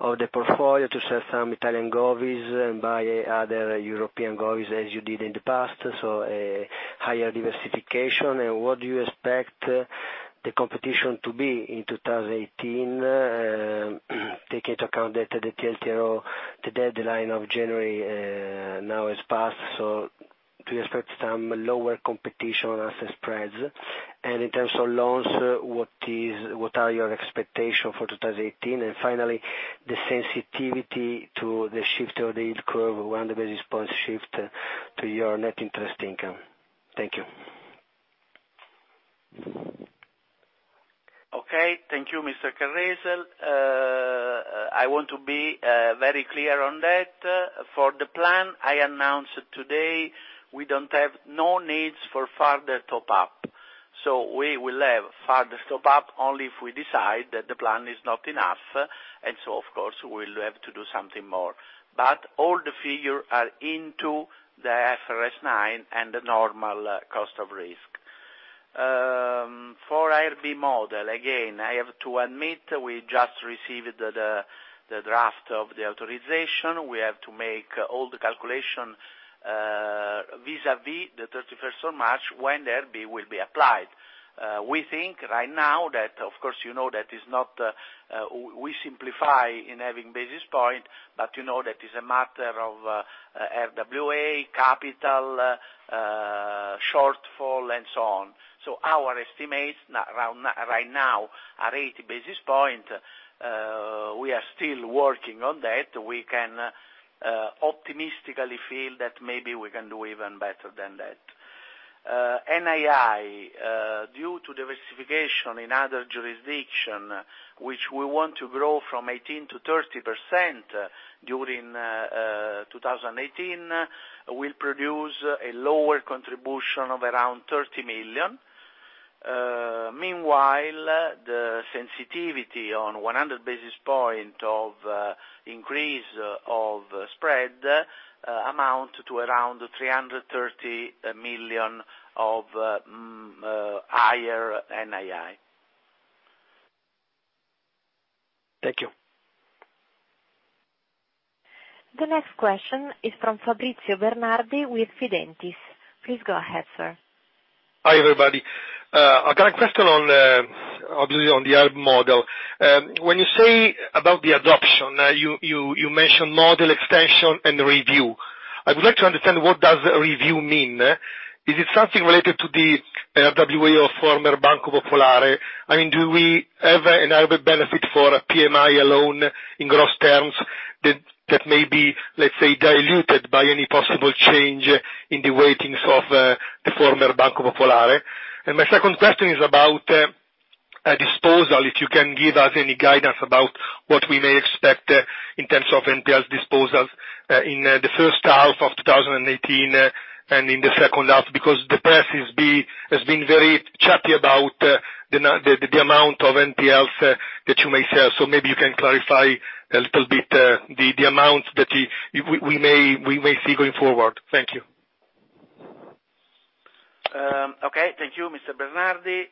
of the portfolio to sell some Italian govies and buy other European govies as you did in the past, a higher diversification? What do you expect the competition to be in 2018, taking into account that the TLTRO, the deadline of January now has passed, do you expect some lower competition on asset spreads? In terms of loans, what are your expectations for 2018? Finally, the sensitivity to the shift of the yield curve, 100 basis points shift to your net interest income. Thank you. Okay, thank you, Mr. Carrese. I want to be very clear on that. For the plan I announced today, we don't have no needs for further top-up. We will have further top-up only if we decide that the plan is not enough, of course, we will have to do something more. All the figure are into the IFRS 9 and the normal cost of risk. For IRB model, again, I have to admit, we just received the draft of the authorization. We have to make all the calculation vis-a-vis the 31st of March, when IRB will be applied. We think right now that, of course, you know that we simplify in having basis point, but you know that is a matter of RWA, capital shortfall, and so on. Our estimates right now are 80 basis point. We are still working on that. We can optimistically feel that maybe we can do even better than that. NII, due to diversification in other jurisdiction, which we want to grow from 18% to 30% during 2018, will produce a lower contribution of around 30 million. Meanwhile, the sensitivity on 100 basis point of increase of spread amount to around 330 million of higher NII. Thank you. The next question is from Fabrizio Bernardi with Fidentiis. Please go ahead, sir. Hi, everybody. I've got a question on the IRB model. When you say about the adoption, you mentioned model extension and review. I would like to understand what does review mean. Is it something related to the RWA of former Banco Popolare? Do we have an IRB benefit for a PMI lone in gross terms that may be, let's say, diluted by any possible change in the weightings of the former Banco Popolare? My second question is about a disposal, if you can give us any guidance about what we may expect in terms of NPL disposals in the first half of 2018 and in the second half, because the press has been very chatty about the amount of NPLs that you may sell. Maybe you can clarify a little bit the amount that we may see going forward. Thank you. Okay. Thank you, Mr. Bernardi.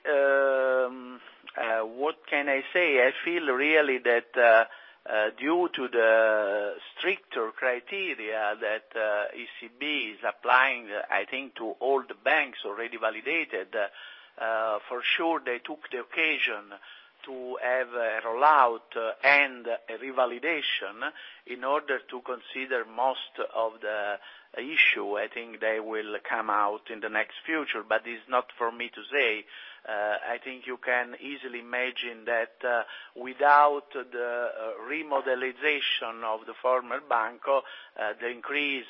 What can I say? I feel really that due to the stricter criteria that ECB is applying, I think, to all the banks already validated. For sure, they took the occasion to have a rollout and a revalidation in order to consider most of the issue. I think they will come out in the next future, but it's not for me to say. I think you can easily imagine that without the remodelling of the former Banco, the increase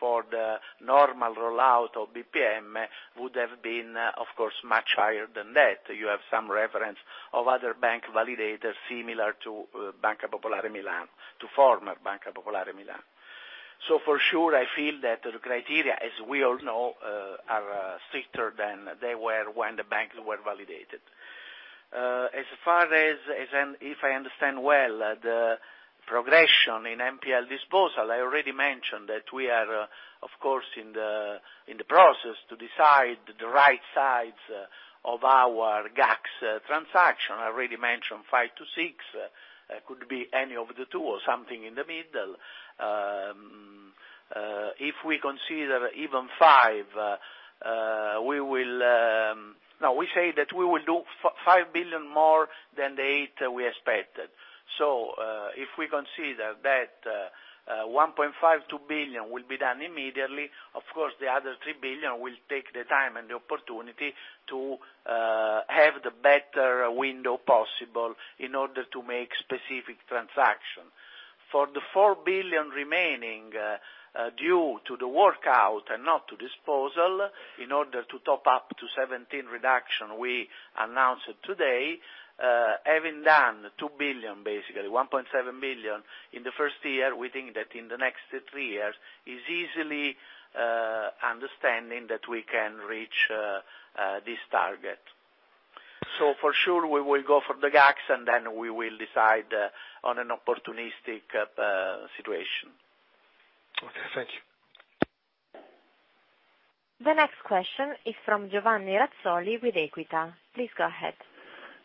for the normal rollout of BPM would have been, of course, much higher than that. You have some reference of other bank validators similar to former Banca Popolare Milan. For sure, I feel that the criteria, as we all know, are stricter than they were when the banks were validated. As far as if I understand well the progression in NPL disposal, I already mentioned that we are, of course, in the process to decide the right size of our GACS transaction. I already mentioned five to six. Could be any of the two or something in the middle. We say that we will do 5 billion more than the 8 we expected. If we consider that 1.52 billion will be done immediately, of course, the other 3 billion will take the time and the opportunity to have the better window possible in order to make specific transaction. For the 4 billion remaining due to the workout and not to disposal, in order to top up to 17 reduction we announced today, having done 2 billion, basically 1.7 billion, in the first year, we think that in the next 3 years is easily understanding that we can reach this target. For sure, we will go for the GACS and then we will decide on an opportunistic situation. Okay, thank you. The next question is from Giovanni Razzoli with Equita. Please go ahead.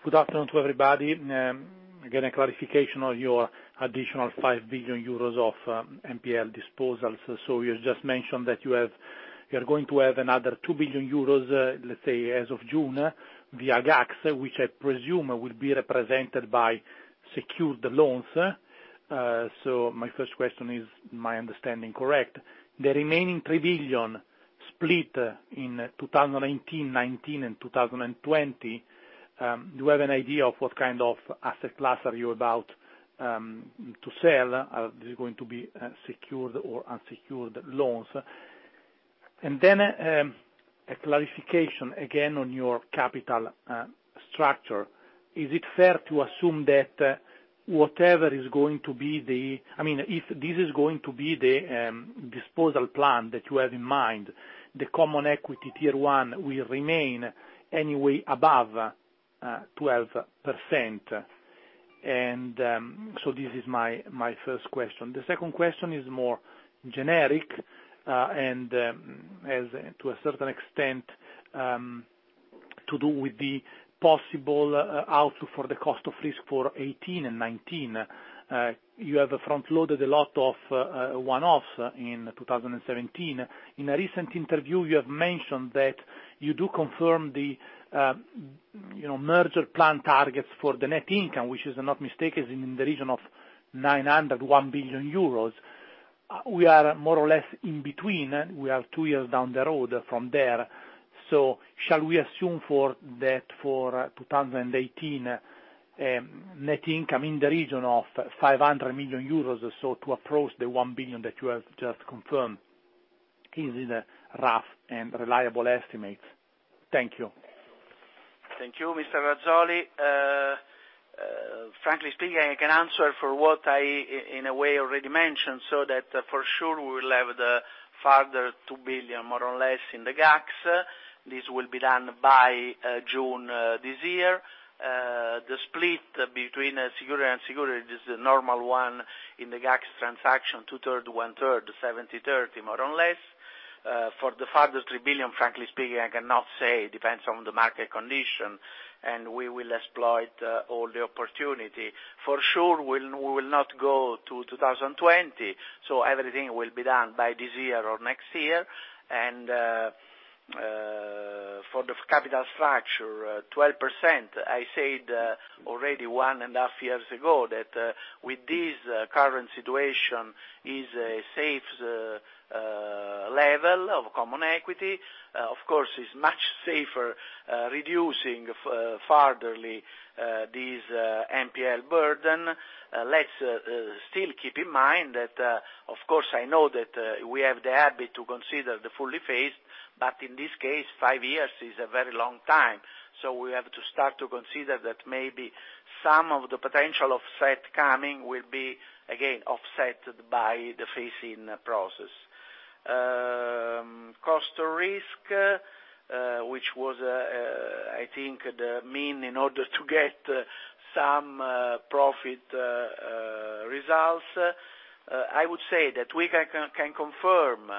Good afternoon to everybody. A clarification on your additional 5 billion euros of NPL disposals. You just mentioned that you are going to have another 2 billion euros, let's say, as of June, via GACS, which I presume will be represented by secured loans. My first question is, my understanding correct? The remaining 3 billion split in 2019 and 2020, do you have an idea of what kind of asset class are you about to sell? Is it going to be secured or unsecured loans? A clarification, again, on your capital structure. Is it fair to assume that if this is going to be the disposal plan that you have in mind, the common equity Tier 1 will remain anyway above 12%? This is my first question. The second question is more generic, and has to a certain extent, to do with the possible outlook for the cost of risk for 2018 and 2019. You have front-loaded a lot of one-offs in 2017. In a recent interview, you have mentioned that you do confirm the merger plan targets for the net income, which is, if I'm not mistaken, in the region of 900 million-1 billion euros. We are more or less in between. We are two years down the road from there. Shall we assume for that for 2018, net income in the region of 500 million euros or so to approach the 1 billion that you have just confirmed? Is it a rough and reliable estimate? Thank you. Thank you, Mr. Razzoli. Frankly speaking, I can answer for what I, in a way, already mentioned. For sure we will have the further 2 billion, more or less, in the GACS. This will be done by June this year. The split between secured and unsecured is the normal one in the GACS transaction, two-thirds, one-third, 70/30, more or less. For the further 3 billion, frankly speaking, I cannot say. It depends on the market condition, and we will exploit all the opportunity. For sure, we will not go to 2020. Everything will be done by this year or next year. For the capital structure, 12%, I said already one and a half years ago that with this current situation is a safe level of common equity. Of course, it's much safer reducing furtherly this NPL burden. Let's still keep in mind that, of course, I know that we have the habit to consider the fully phased, but in this case, five years is a very long time. We have to start to consider that maybe some of the potential offset coming will be again offset by the phasing process. Cost of risk, which was, I think, the mean in order to get some profit results, I would say that we can confirm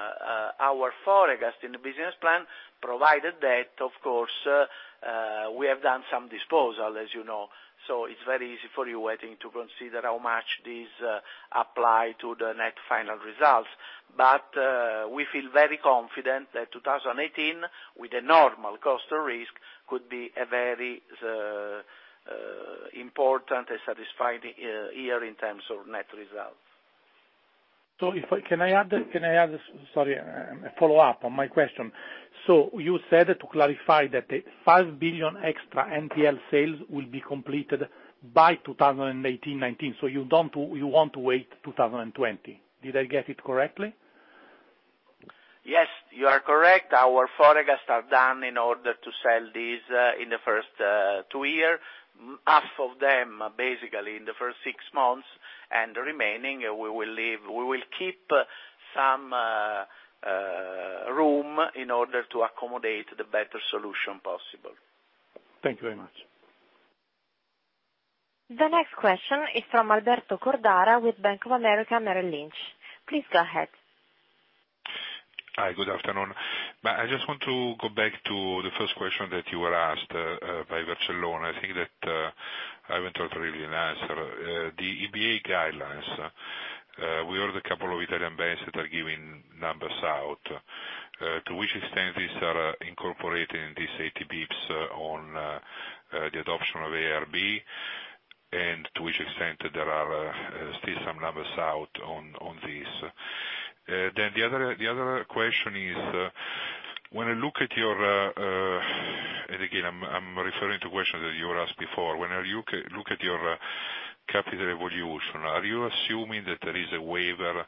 our forecast in the business plan, provided that, of course We have done some disposal, as you know. It's very easy for you, I think, to consider how much this apply to the net final results. We feel very confident that 2018, with a normal cost of risk, could be a very important and satisfying year in terms of net results. Can I add a follow-up on my question? You said, to clarify, that the 5 billion extra NPL sales will be completed by 2018-2019, so you won't wait 2020. Did I get it correctly? Yes, you are correct. Our forecasts are done in order to sell this in the first two year, half of them, basically, in the first six months. The remaining, we will keep some room in order to accommodate the better solution possible. Thank you very much. The next question is from Alberto Cordara with Bank of America Merrill Lynch. Please go ahead. Hi, good afternoon. I just want to go back to the first question that you were asked by Mr. Vercellone. I think that Alberto really didn't answer. The EBA guidelines. We heard a couple of Italian banks that are giving numbers out. To which extent these are incorporated in this 80 basis points on the adoption of IRB, and to which extent there are still some numbers out on this. The other question is, and again, I'm referring to questions that you were asked before. When you look at your capital evolution, are you assuming that there is a waiver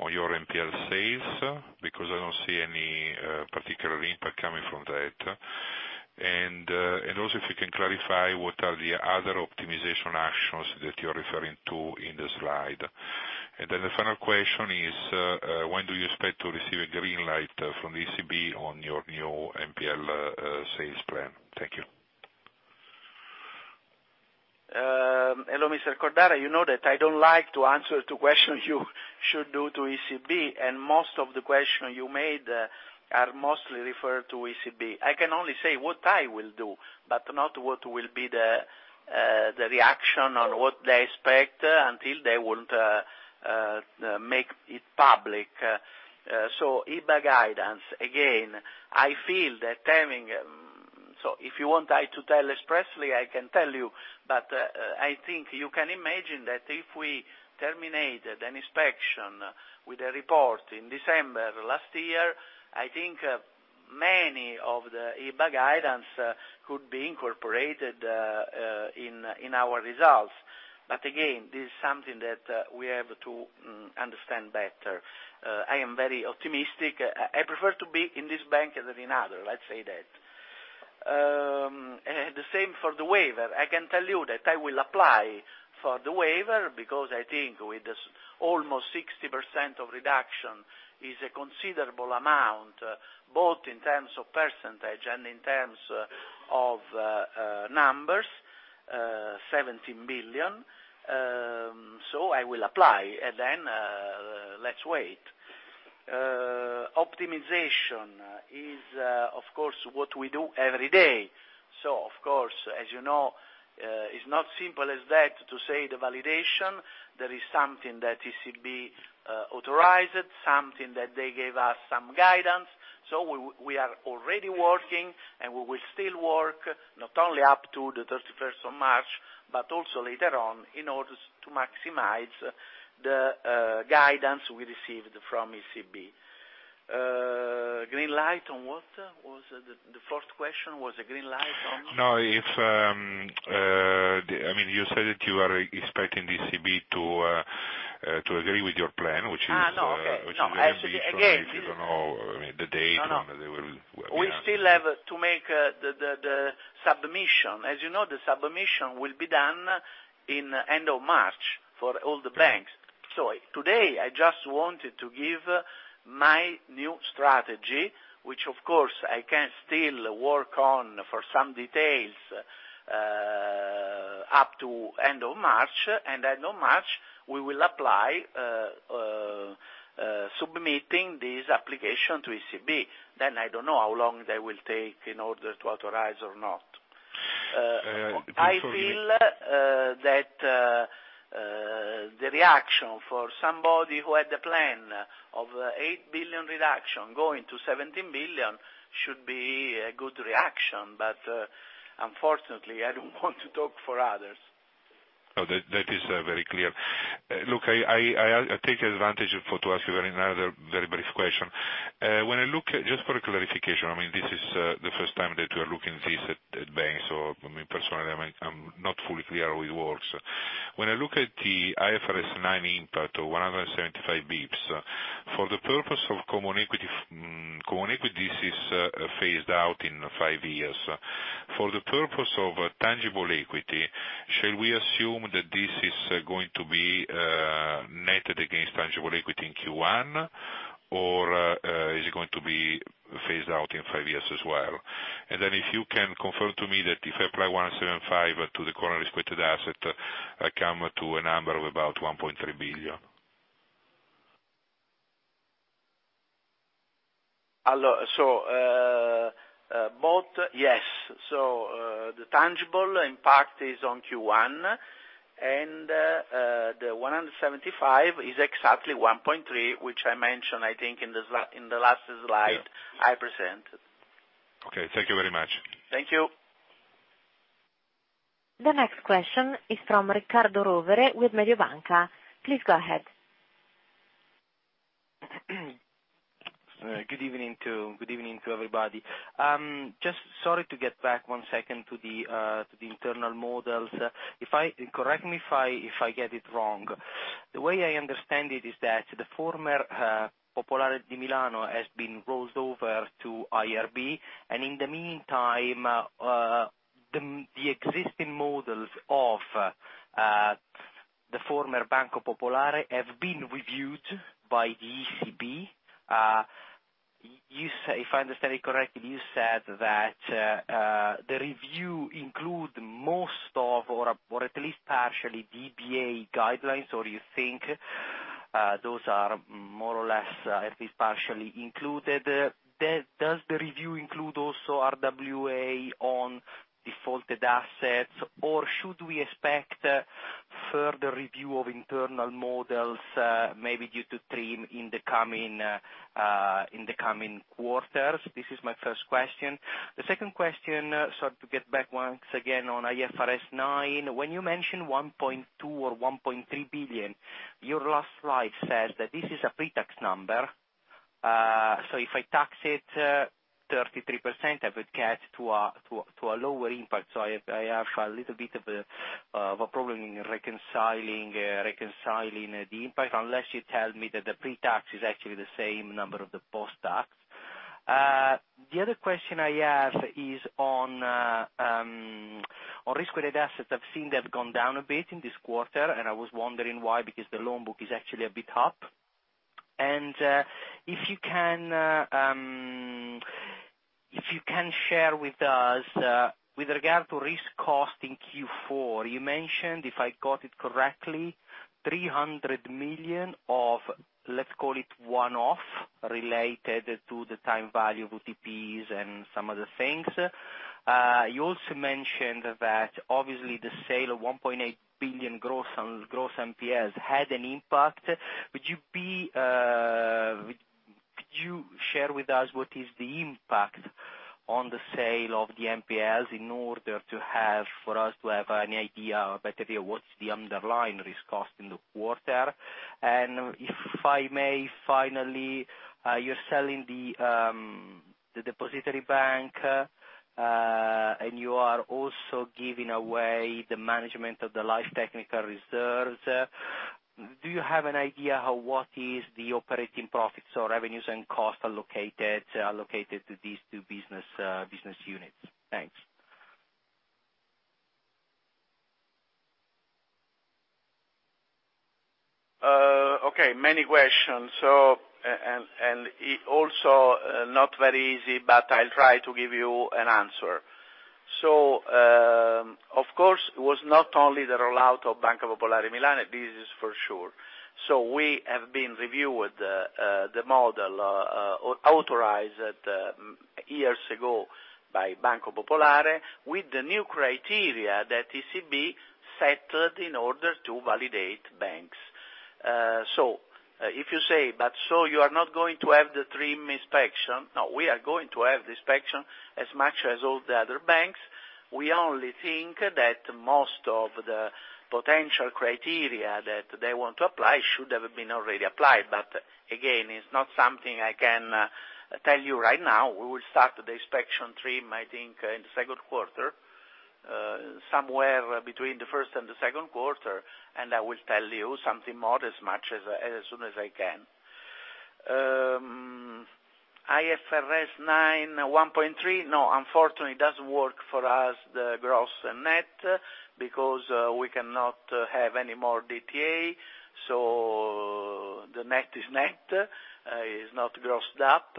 on your NPE sales? Because I don't see any particular impact coming from that. Also, if you can clarify what are the other optimization actions that you're referring to in the slide. The final question is, when do you expect to receive a green light from the ECB on your new NPE sales plan? Thank you. Hello, Mr. Cordara. You know that I don't like to answer to questions you should do to ECB, and most of the question you made are mostly referred to ECB. I can only say what I will do, but not what will be the reaction or what they expect until they would make it public. EBA guidance, again, if you want I to tell expressly, I can tell you, but I think you can imagine that if we terminated an inspection with a report in December last year, I think many of the EBA guidance could be incorporated in our results. Again, this is something that we have to understand better. I am very optimistic. I prefer to be in this bank than in other, let's say that. The same for the waiver. I can tell you that I will apply for the waiver because I think with this almost 60% of reduction is a considerable amount, both in terms of percentage and in terms of numbers, 17 billion. I will apply, and then let's wait. Optimization is, of course, what we do every day. Of course, as you know, it's not simple as that to say the validation. There is something that ECB authorized, something that they gave us some guidance. We are already working, and we will still work not only up to the 31st of March, but also later on in order to maximize the guidance we received from ECB. Green light on what was the fourth question was a green light on? No. You said that you are expecting the ECB to agree with your plan, which is. No. Actually, again. If you don't know the date on they will be asking. We still have to make the submission. As you know, the submission will be done in end of March for all the banks. Today I just wanted to give my new strategy, which of course I can still work on for some details up to end of March, and end of March, we will apply submitting this application to ECB. I don't know how long they will take in order to authorize or not. I feel that the reaction for somebody who had a plan of 8 billion reduction going to 17 billion should be a good reaction, unfortunately, I don't want to talk for others. That is very clear. I take advantage for to ask you another very brief question. Just for clarification, this is the first time that we are looking this at banks, or personally, I'm not fully clear how it works. When I look at the IFRS 9 impact of 175 basis points. Common equity is phased out in five years. For the purpose of tangible equity, shall we assume that this is going to be netted against tangible equity in Q1, or is it going to be phased out in five years as well? If you can confirm to me that if I apply 175 to the current respected asset, I come to a number of about 1.3 billion. Yes. The tangible impact is on Q1 and the 175 is exactly 1.3 billion, which I mentioned, I think, in the last slide I presented. Okay. Thank you very much. Thank you. The next question is from Riccardo Rovere with Mediobanca. Please go ahead. Good evening to everybody. Just sorry to get back one second to the internal models. Correct me if I get it wrong. The way I understand it is that the former Popolare di Milano has been rolled over to IRB, and in the meantime, the existing models of the former Banco Popolare have been reviewed by ECB. If I understand it correctly, you said that the review include most of, or at least partially EBA guidelines, or you think those are more or less at least partially included. Does the review include also RWA on defaulted assets, or should we expect further review of internal models, maybe due to TRIM in the coming quarters? This is my first question. The second question, sorry to get back once again on IFRS 9. When you mention 1.2 billion or 1.3 billion, your last slide says that this is a pre-tax number. If I tax it 33%, I would get to a lower impact. I have a little bit of a problem in reconciling the impact, unless you tell me that the pre-tax is actually the same number of the post-tax. The other question I have is on risk-weighted assets. I've seen they've gone down a bit in this quarter, and I was wondering why, because the loan book is actually a bit up. If you can share with us, with regard to risk cost in Q4, you mentioned, if I got it correctly, 300 million of, let's call it one-off, related to the time value of TPs and some other things. You also mentioned that obviously the sale of 1.8 billion gross NPEs had an impact. Could you share with us what is the impact on the sale of the NPEs in order for us to have a better idea what's the underlying risk cost in the quarter? If I may finally, you're selling the depository bank, and you are also giving away the management of the life technical reserves. Do you have an idea what is the operating profits or revenues and costs allocated to these two business units? Thanks. Okay, many questions. Also not very easy, but I'll try to give you an answer. Of course, it was not only the rollout of Banca Popolare di Milano, this is for sure. We have been reviewed the model, authorized years ago by Banco Popolare with the new criteria that ECB settled in order to validate banks. If you say, "You are not going to have the TRIM inspection?" No, we are going to have the inspection as much as all the other banks. We only think that most of the potential criteria that they want to apply should have been already applied. Again, it's not something I can tell you right now. We will start the inspection TRIM, I think, in the second quarter, somewhere between the first and the second quarter, and I will tell you something more as soon as I can. IFRS 9. Unfortunately, it doesn't work for us, the gross and net, because we cannot have any more DTA, the net is net. It's not grossed up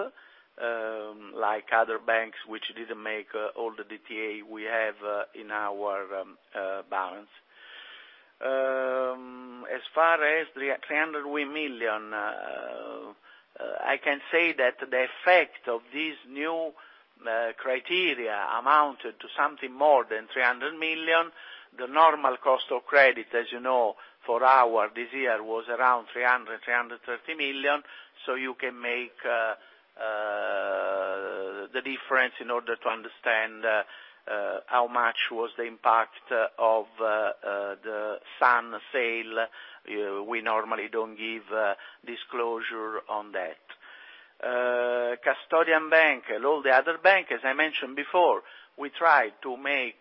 like other banks, which didn't make all the DTA we have in our balance. As far as the 300 million, I can say that the effect of this new criteria amounted to something more than 300 million. The normal cost of credit, as you know, for our this year was around 300 million-330 million. You can make the difference in order to understand how much was the impact of the Sun sale. We normally don't give disclosure on that. Custodian Bank and all the other banks, as I mentioned before, we try to make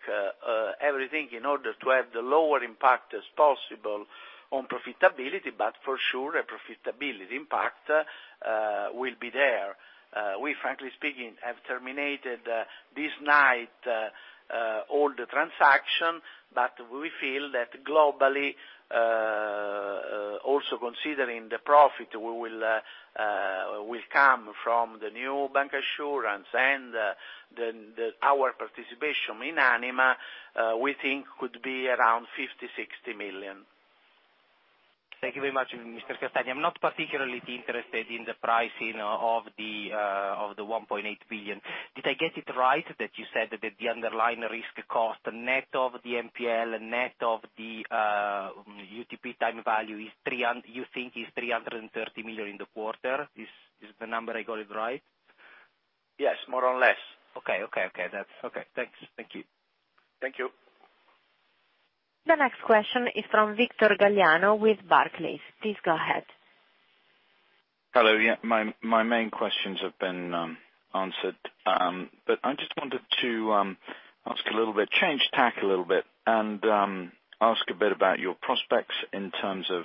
everything in order to have the lower impact as possible on profitability, but for sure, a profitability impact will be there. We, frankly speaking, have terminated this night all the transaction, but we feel that globally, also considering the profit will come from the new bancassurance and our participation in Anima, we think could be around 50 million-60 million. Thank you very much, Mr. Castagna. I'm not particularly interested in the pricing of the 1.8 billion. Did I get it right that you said that the underlying risk cost net of the NPL, net of the UTP time value, you think is 330 million in the quarter? Is the number I got it right? Yes, more or less. Okay. That's okay. Thanks. Thank you. Thank you. The next question is from Victor Galliano with Barclays. Please go ahead. Hello. Yeah, my main questions have been answered. I just wanted to change tack a little bit and ask a bit about your prospects in terms of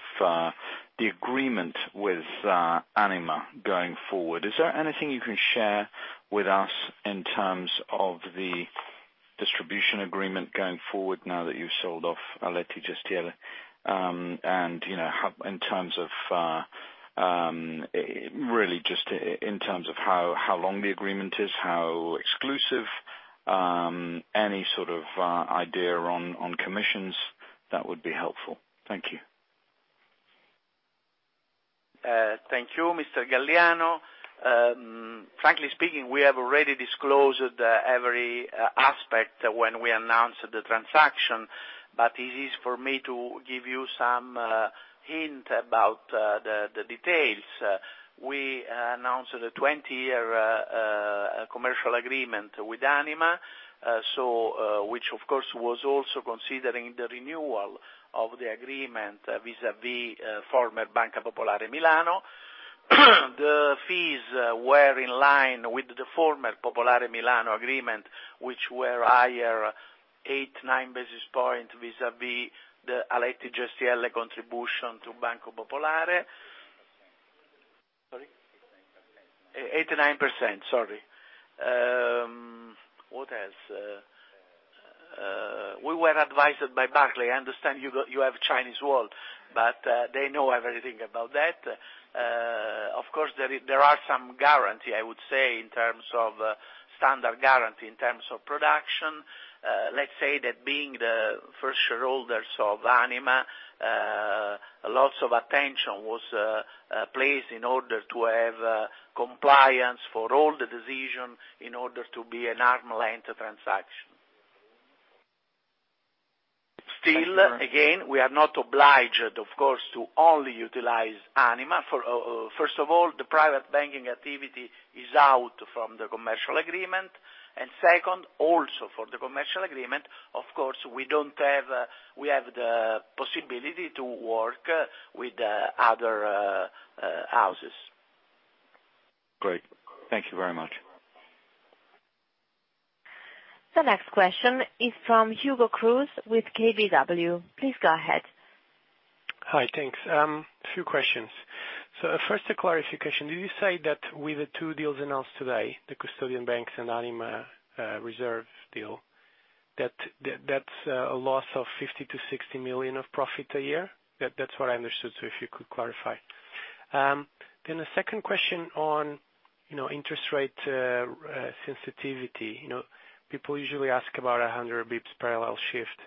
the agreement with Anima going forward. Is there anything you can share with us in terms of the distribution agreement going forward now that you've sold off Aletti Gestielle, really just in terms of how long the agreement is, how exclusive, any sort of idea on commissions, that would be helpful. Thank you. Thank you, Mr. Galliano. Frankly speaking, we have already disclosed every aspect when we announced the transaction. It is for me to give you some hint about the details. We announced the 20-year commercial agreement with Anima, which of course, was also considering the renewal of the agreement vis-a-vis former Banca Popolare di Milano. The fees were in line with the former Popolare di Milano agreement, which were higher 89 basis points vis-a-vis the Aletti Gestielle contribution to Banco Popolare. Sorry? 89%. 89%, sorry. What else? We were advised by Barclays. I understand you have Chinese wall. They know everything about that. Of course, there are some guarantee, I would say, in terms of standard guarantee in terms of production. Let's say that being the first shareholders of Anima, lots of attention was placed in order to have compliance for all the decisions in order to be an arm's length transaction. Still, again, we are not obliged, of course, to only utilize Anima. First of all, the private banking activity is out from the commercial agreement, and second, also for the commercial agreement, of course, we have the possibility to work with other houses. Great. Thank you very much. The next question is from Hugo Cruz with KBW. Please go ahead. Hi, thanks. Few questions. First, a clarification. Did you say that with the two deals announced today, the custodian banks and Anima reserve deal, that's a loss of 50 million-60 million of profit a year? That's what I understood. If you could clarify. The second question on interest rate sensitivity. People usually ask about 100 basis points parallel shift.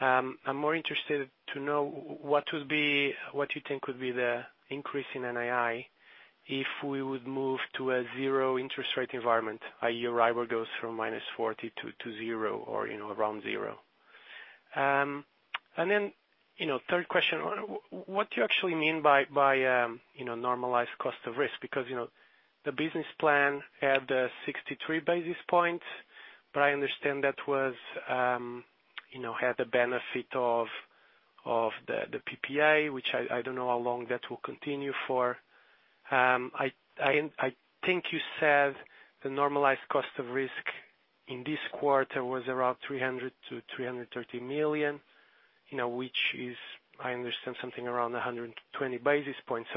I'm more interested to know what you think would be the increase in NII if we would move to a zero interest rate environment, i.e., EURIBOR goes from -40 to zero or around zero. Third question, what do you actually mean by normalized cost of risk? Because the business plan had 63 basis points, but I understand that had the benefit of the PPA, which I don't know how long that will continue for. I think you said the normalized cost of risk in this quarter was around 300 million-330 million, which is, I understand, something around 120 basis points.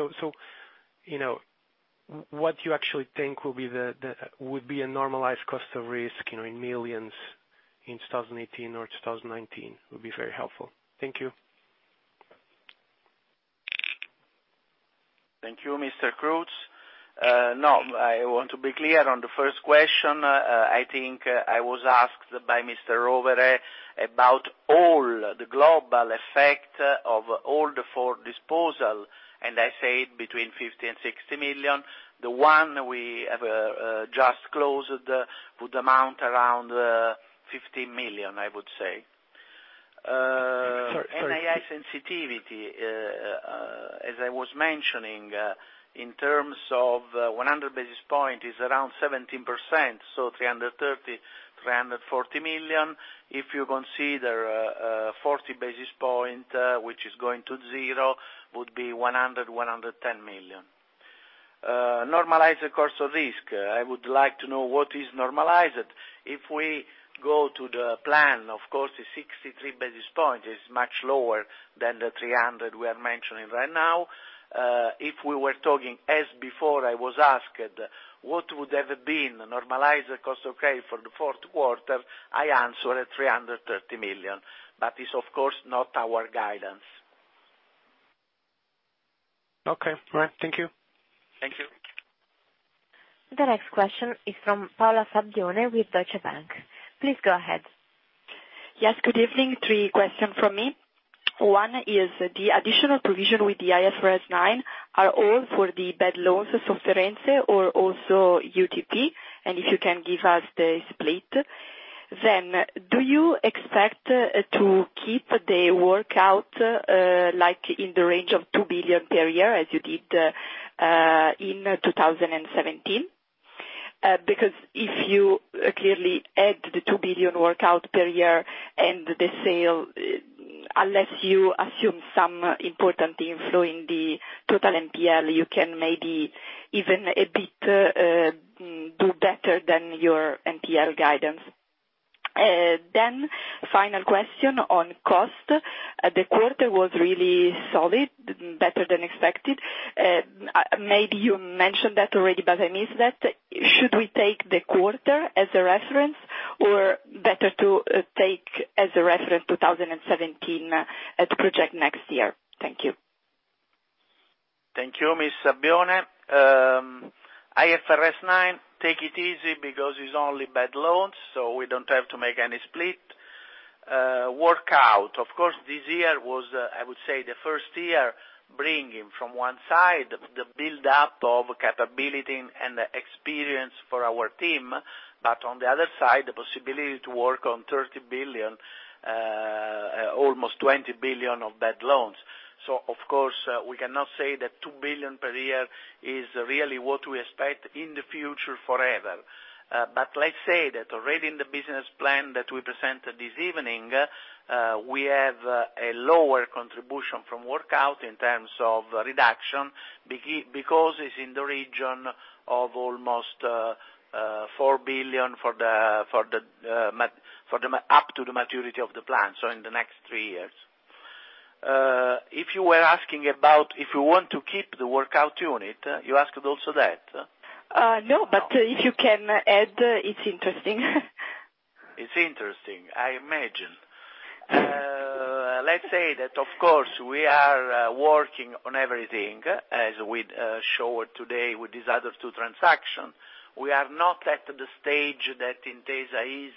What do you actually think would be a normalized cost of risk, in millions in 2018 or 2019, would be very helpful. Thank you. Thank you, Mr. Cruz. I want to be clear on the first question. I think I was asked by Mr. Rovere about all the global effect of all the four disposal, and I said between 50 million and 60 million. The one we have just closed would amount around 50 million, I would say. Sorry. NII sensitivity, as I was mentioning, in terms of 100 basis point is around 17%, so 330 million, 340 million. If you consider 40 basis point, which is going to zero, would be 100 million, EUR 110 million. Normalized cost of risk. I would like to know what is normalized. If we go to the plan, of course, the 63 basis point is much lower than the 300 basis point we are mentioning right now. If we were talking as before I was asked, what would have been normalized cost of risk for the fourth quarter, I answer 330 million. It's of course not our guidance. Okay. All right. Thank you. Thank you. The next question is from Paola Sabbione with Deutsche Bank. Please go ahead. Yes, good evening. Three questions from me. One is the additional provision with the IFRS 9 are all for the bad loans or sofferenze or or also UTP? If you can give us the split. Do you expect to keep the workout, like in the range of 2 billion per year as you did in 2017? If you clearly add the 2 billion workout per year and the sale, unless you assume some important inflow in the total NPL, you can maybe even a bit, do better than your NPL guidance. Final question on cost. The quarter was really solid, better than expected. Maybe you mentioned that already, but I missed that. Should we take the quarter as a reference or better to take as a reference 2017 to project next year? Thank you. Thank you, Ms. Sabbione. IFRS 9, take it easy because it's only bad loans. We don't have to make any split. Workout. This year was, I would say, the first year bringing from one side, the build up of capability and the experience for our team, but on the other side, the possibility to work on 30 billion, almost 20 billion of bad loans. We cannot say that 2 billion per year is really what we expect in the future forever. Let's say that already in the business plan that we presented this evening, we have a lower contribution from workout in terms of reduction, because it's in the region of almost 4 billion up to the maturity of the plan, so in the next three years. If you were asking about if we want to keep the workout unit, you asked also that? No. If you can add, it's interesting. It's interesting. I imagine. Let's say that, of course, we are working on everything as we showed today with these other two transactions. We are not at the stage that Intesa is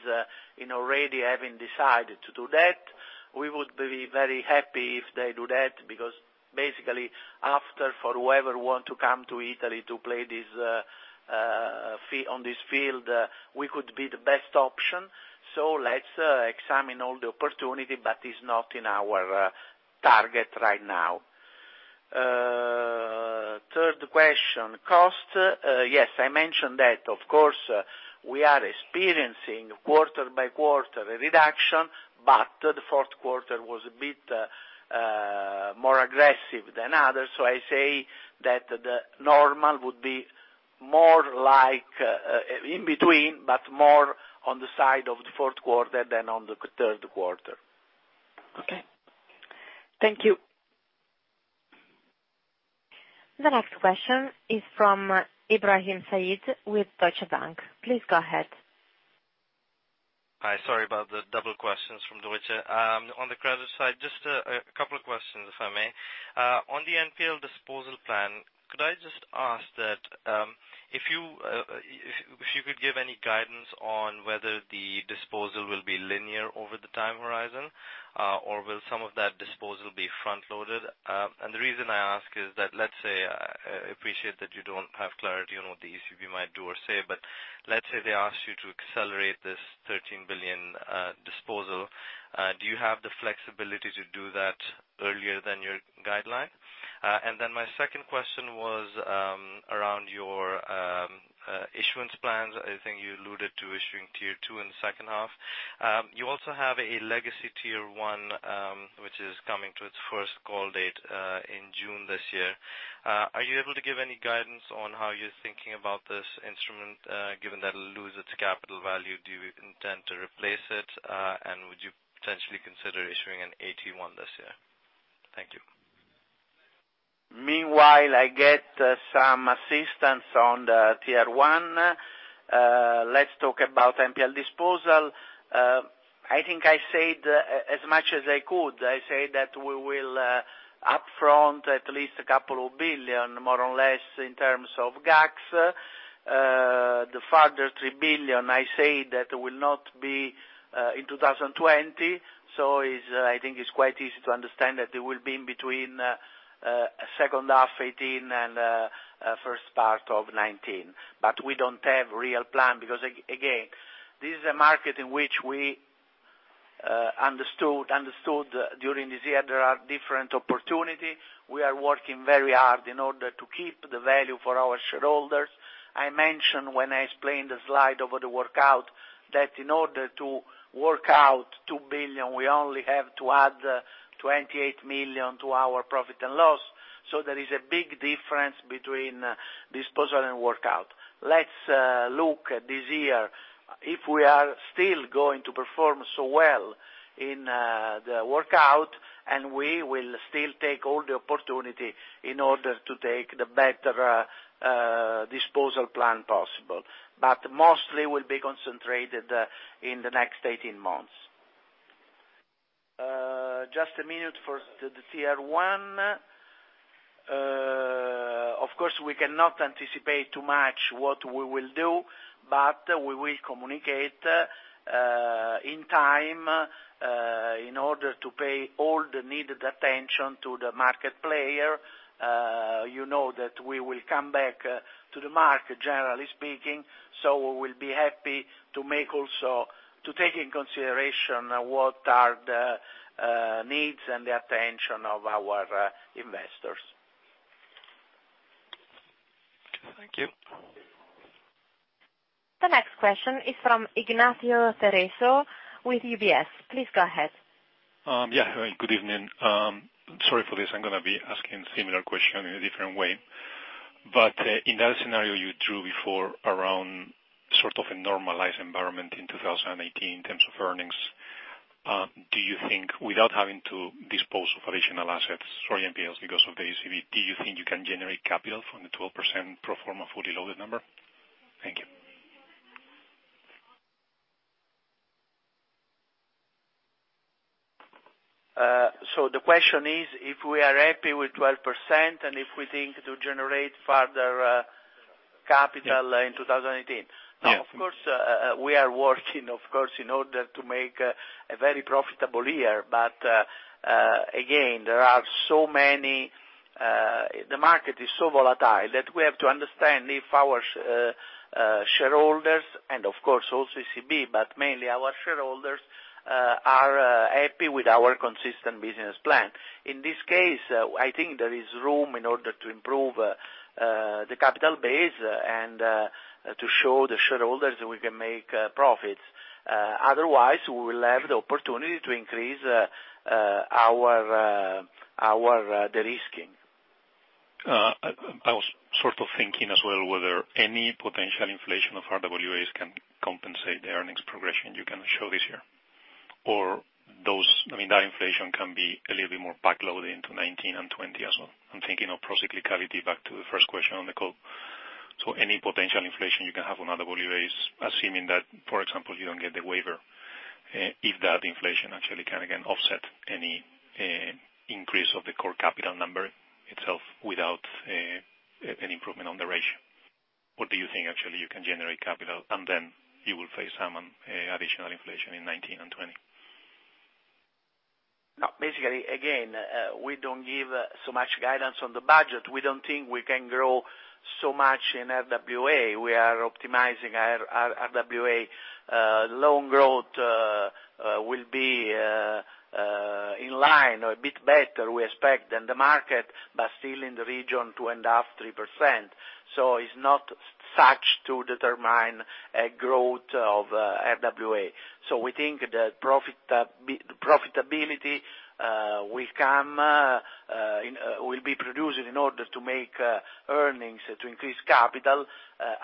in already having decided to do that. We would be very happy if they do that because basically, after for whoever want to come to Italy to play on this field, we could be the best option. Let's examine all the opportunity, but it's not in our target right now. Third question, cost. Yes, I mentioned that. Of course, we are experiencing quarter by quarter reduction, but the fourth quarter was a bit more aggressive than others. I say that the normal would be more like in between, but more on the side of the fourth quarter than on the third quarter. Okay. Thank you. The next question is from Ibrahim Said with Deutsche Bank. Please go ahead. Hi. Sorry about the double questions from Deutsche. On the credit side, just a couple of questions, if I may. On the NPL disposal plan, could I just ask that if you could give any guidance on whether the disposal will be linear over the time horizon, or will some of that disposal be front-loaded? The reason I ask is that, let's say, I appreciate that you don't have clarity on what the ECB might do or say, but let's say they ask you to accelerate this 13 billion disposal. Do you have the flexibility to do that earlier than your guideline? My second question was around your issuance plans. I think you alluded to issuing Tier 2 in the second half. You also have a legacy Tier 1, which is coming to its first call date, in June this year. Are you able to give any guidance on how you're thinking about this instrument, given that it'll lose its capital value? Do you intend to replace it? Would you potentially consider issuing an AT1 this year? Thank you. Meanwhile, I get some assistance on the Tier 1. Let's talk about NPL disposal. I think I said as much as I could. I said that we will upfront at least a couple of billion, more or less in terms of GACS. The further 3 billion, I say that will not be in 2020. I think it's quite easy to understand that it will be in between second half 2018 and first part of 2019. We don't have real plan because again, this is a market in which we understood during this year there are different opportunity. We are working very hard in order to keep the value for our shareholders. I mentioned when I explained the slide over the workout that in order to work out 2 billion, we only have to add 28 million to our profit and loss. There is a big difference between disposal and workout. Let's look this year if we are still going to perform so well in the workout and we will still take all the opportunity in order to take the better disposal plan possible. Mostly will be concentrated in the next 18 months. Just a minute for the Tier 1. Of course, we cannot anticipate too much what we will do. We will communicate in time in order to pay all the needed attention to the market player. You know that we will come back to the market, generally speaking. We will be happy to take into consideration what are the needs and the attention of our investors. Thank you. The next question is from Ignacio Cerezo with UBS. Please go ahead. Yeah. Good evening. Sorry for this, I'm going to be asking similar question in a different way. In that scenario you drew before around sort of a normalized environment in 2018 in terms of earnings, do you think without having to dispose of additional assets or NPLs because of the ECB, do you think you can generate capital from the 12% pro forma fully loaded number? Thank you. The question is, if we are happy with 12% and if we think to generate further capital in 2018. Yeah. Of course, we are working, of course, in order to make a very profitable year. Again, the market is so volatile that we have to understand if our shareholders, and of course also ECB, but mainly our shareholders, are happy with our consistent business plan. In this case, I think there is room in order to improve the capital base and to show the shareholders we can make profits. Otherwise, we will have the opportunity to increase our de-risking. I was sort of thinking as well whether any potential inflation of RWAs can compensate the earnings progression you can show this year. Or that inflation can be a little bit more backloaded into 2019 and 2020 as well. I'm thinking of pro-cyclicality back to the first question on the call. Any potential inflation you can have on RWAs, assuming that, for example, you don't get the waiver, if that inflation actually can again offset any increase of the core capital number itself without an improvement on the ratio. What do you think, actually, you can generate capital and then you will face some additional inflation in 2019 and 2020? No, basically, again, we don't give so much guidance on the budget. We don't think we can grow so much in RWA. We are optimizing our RWA. Loan growth will be in line or a bit better, we expect, than the market, but still in the region 2.5%-3%. It's not such to determine a growth of RWA. We think the profitability will be produced in order to make earnings to increase capital,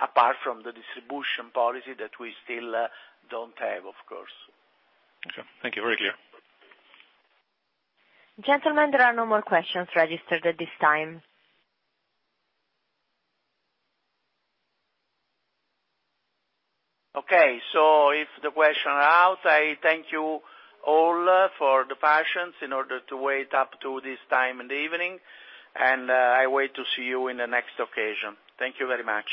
apart from the distribution policy that we still don't have, of course. Okay. Thank you. Very clear. Gentlemen, there are no more questions registered at this time. Okay. If the questions are out, I thank you all for the patience in order to wait up to this time in the evening, and I wait to see you in the next occasion. Thank you very much.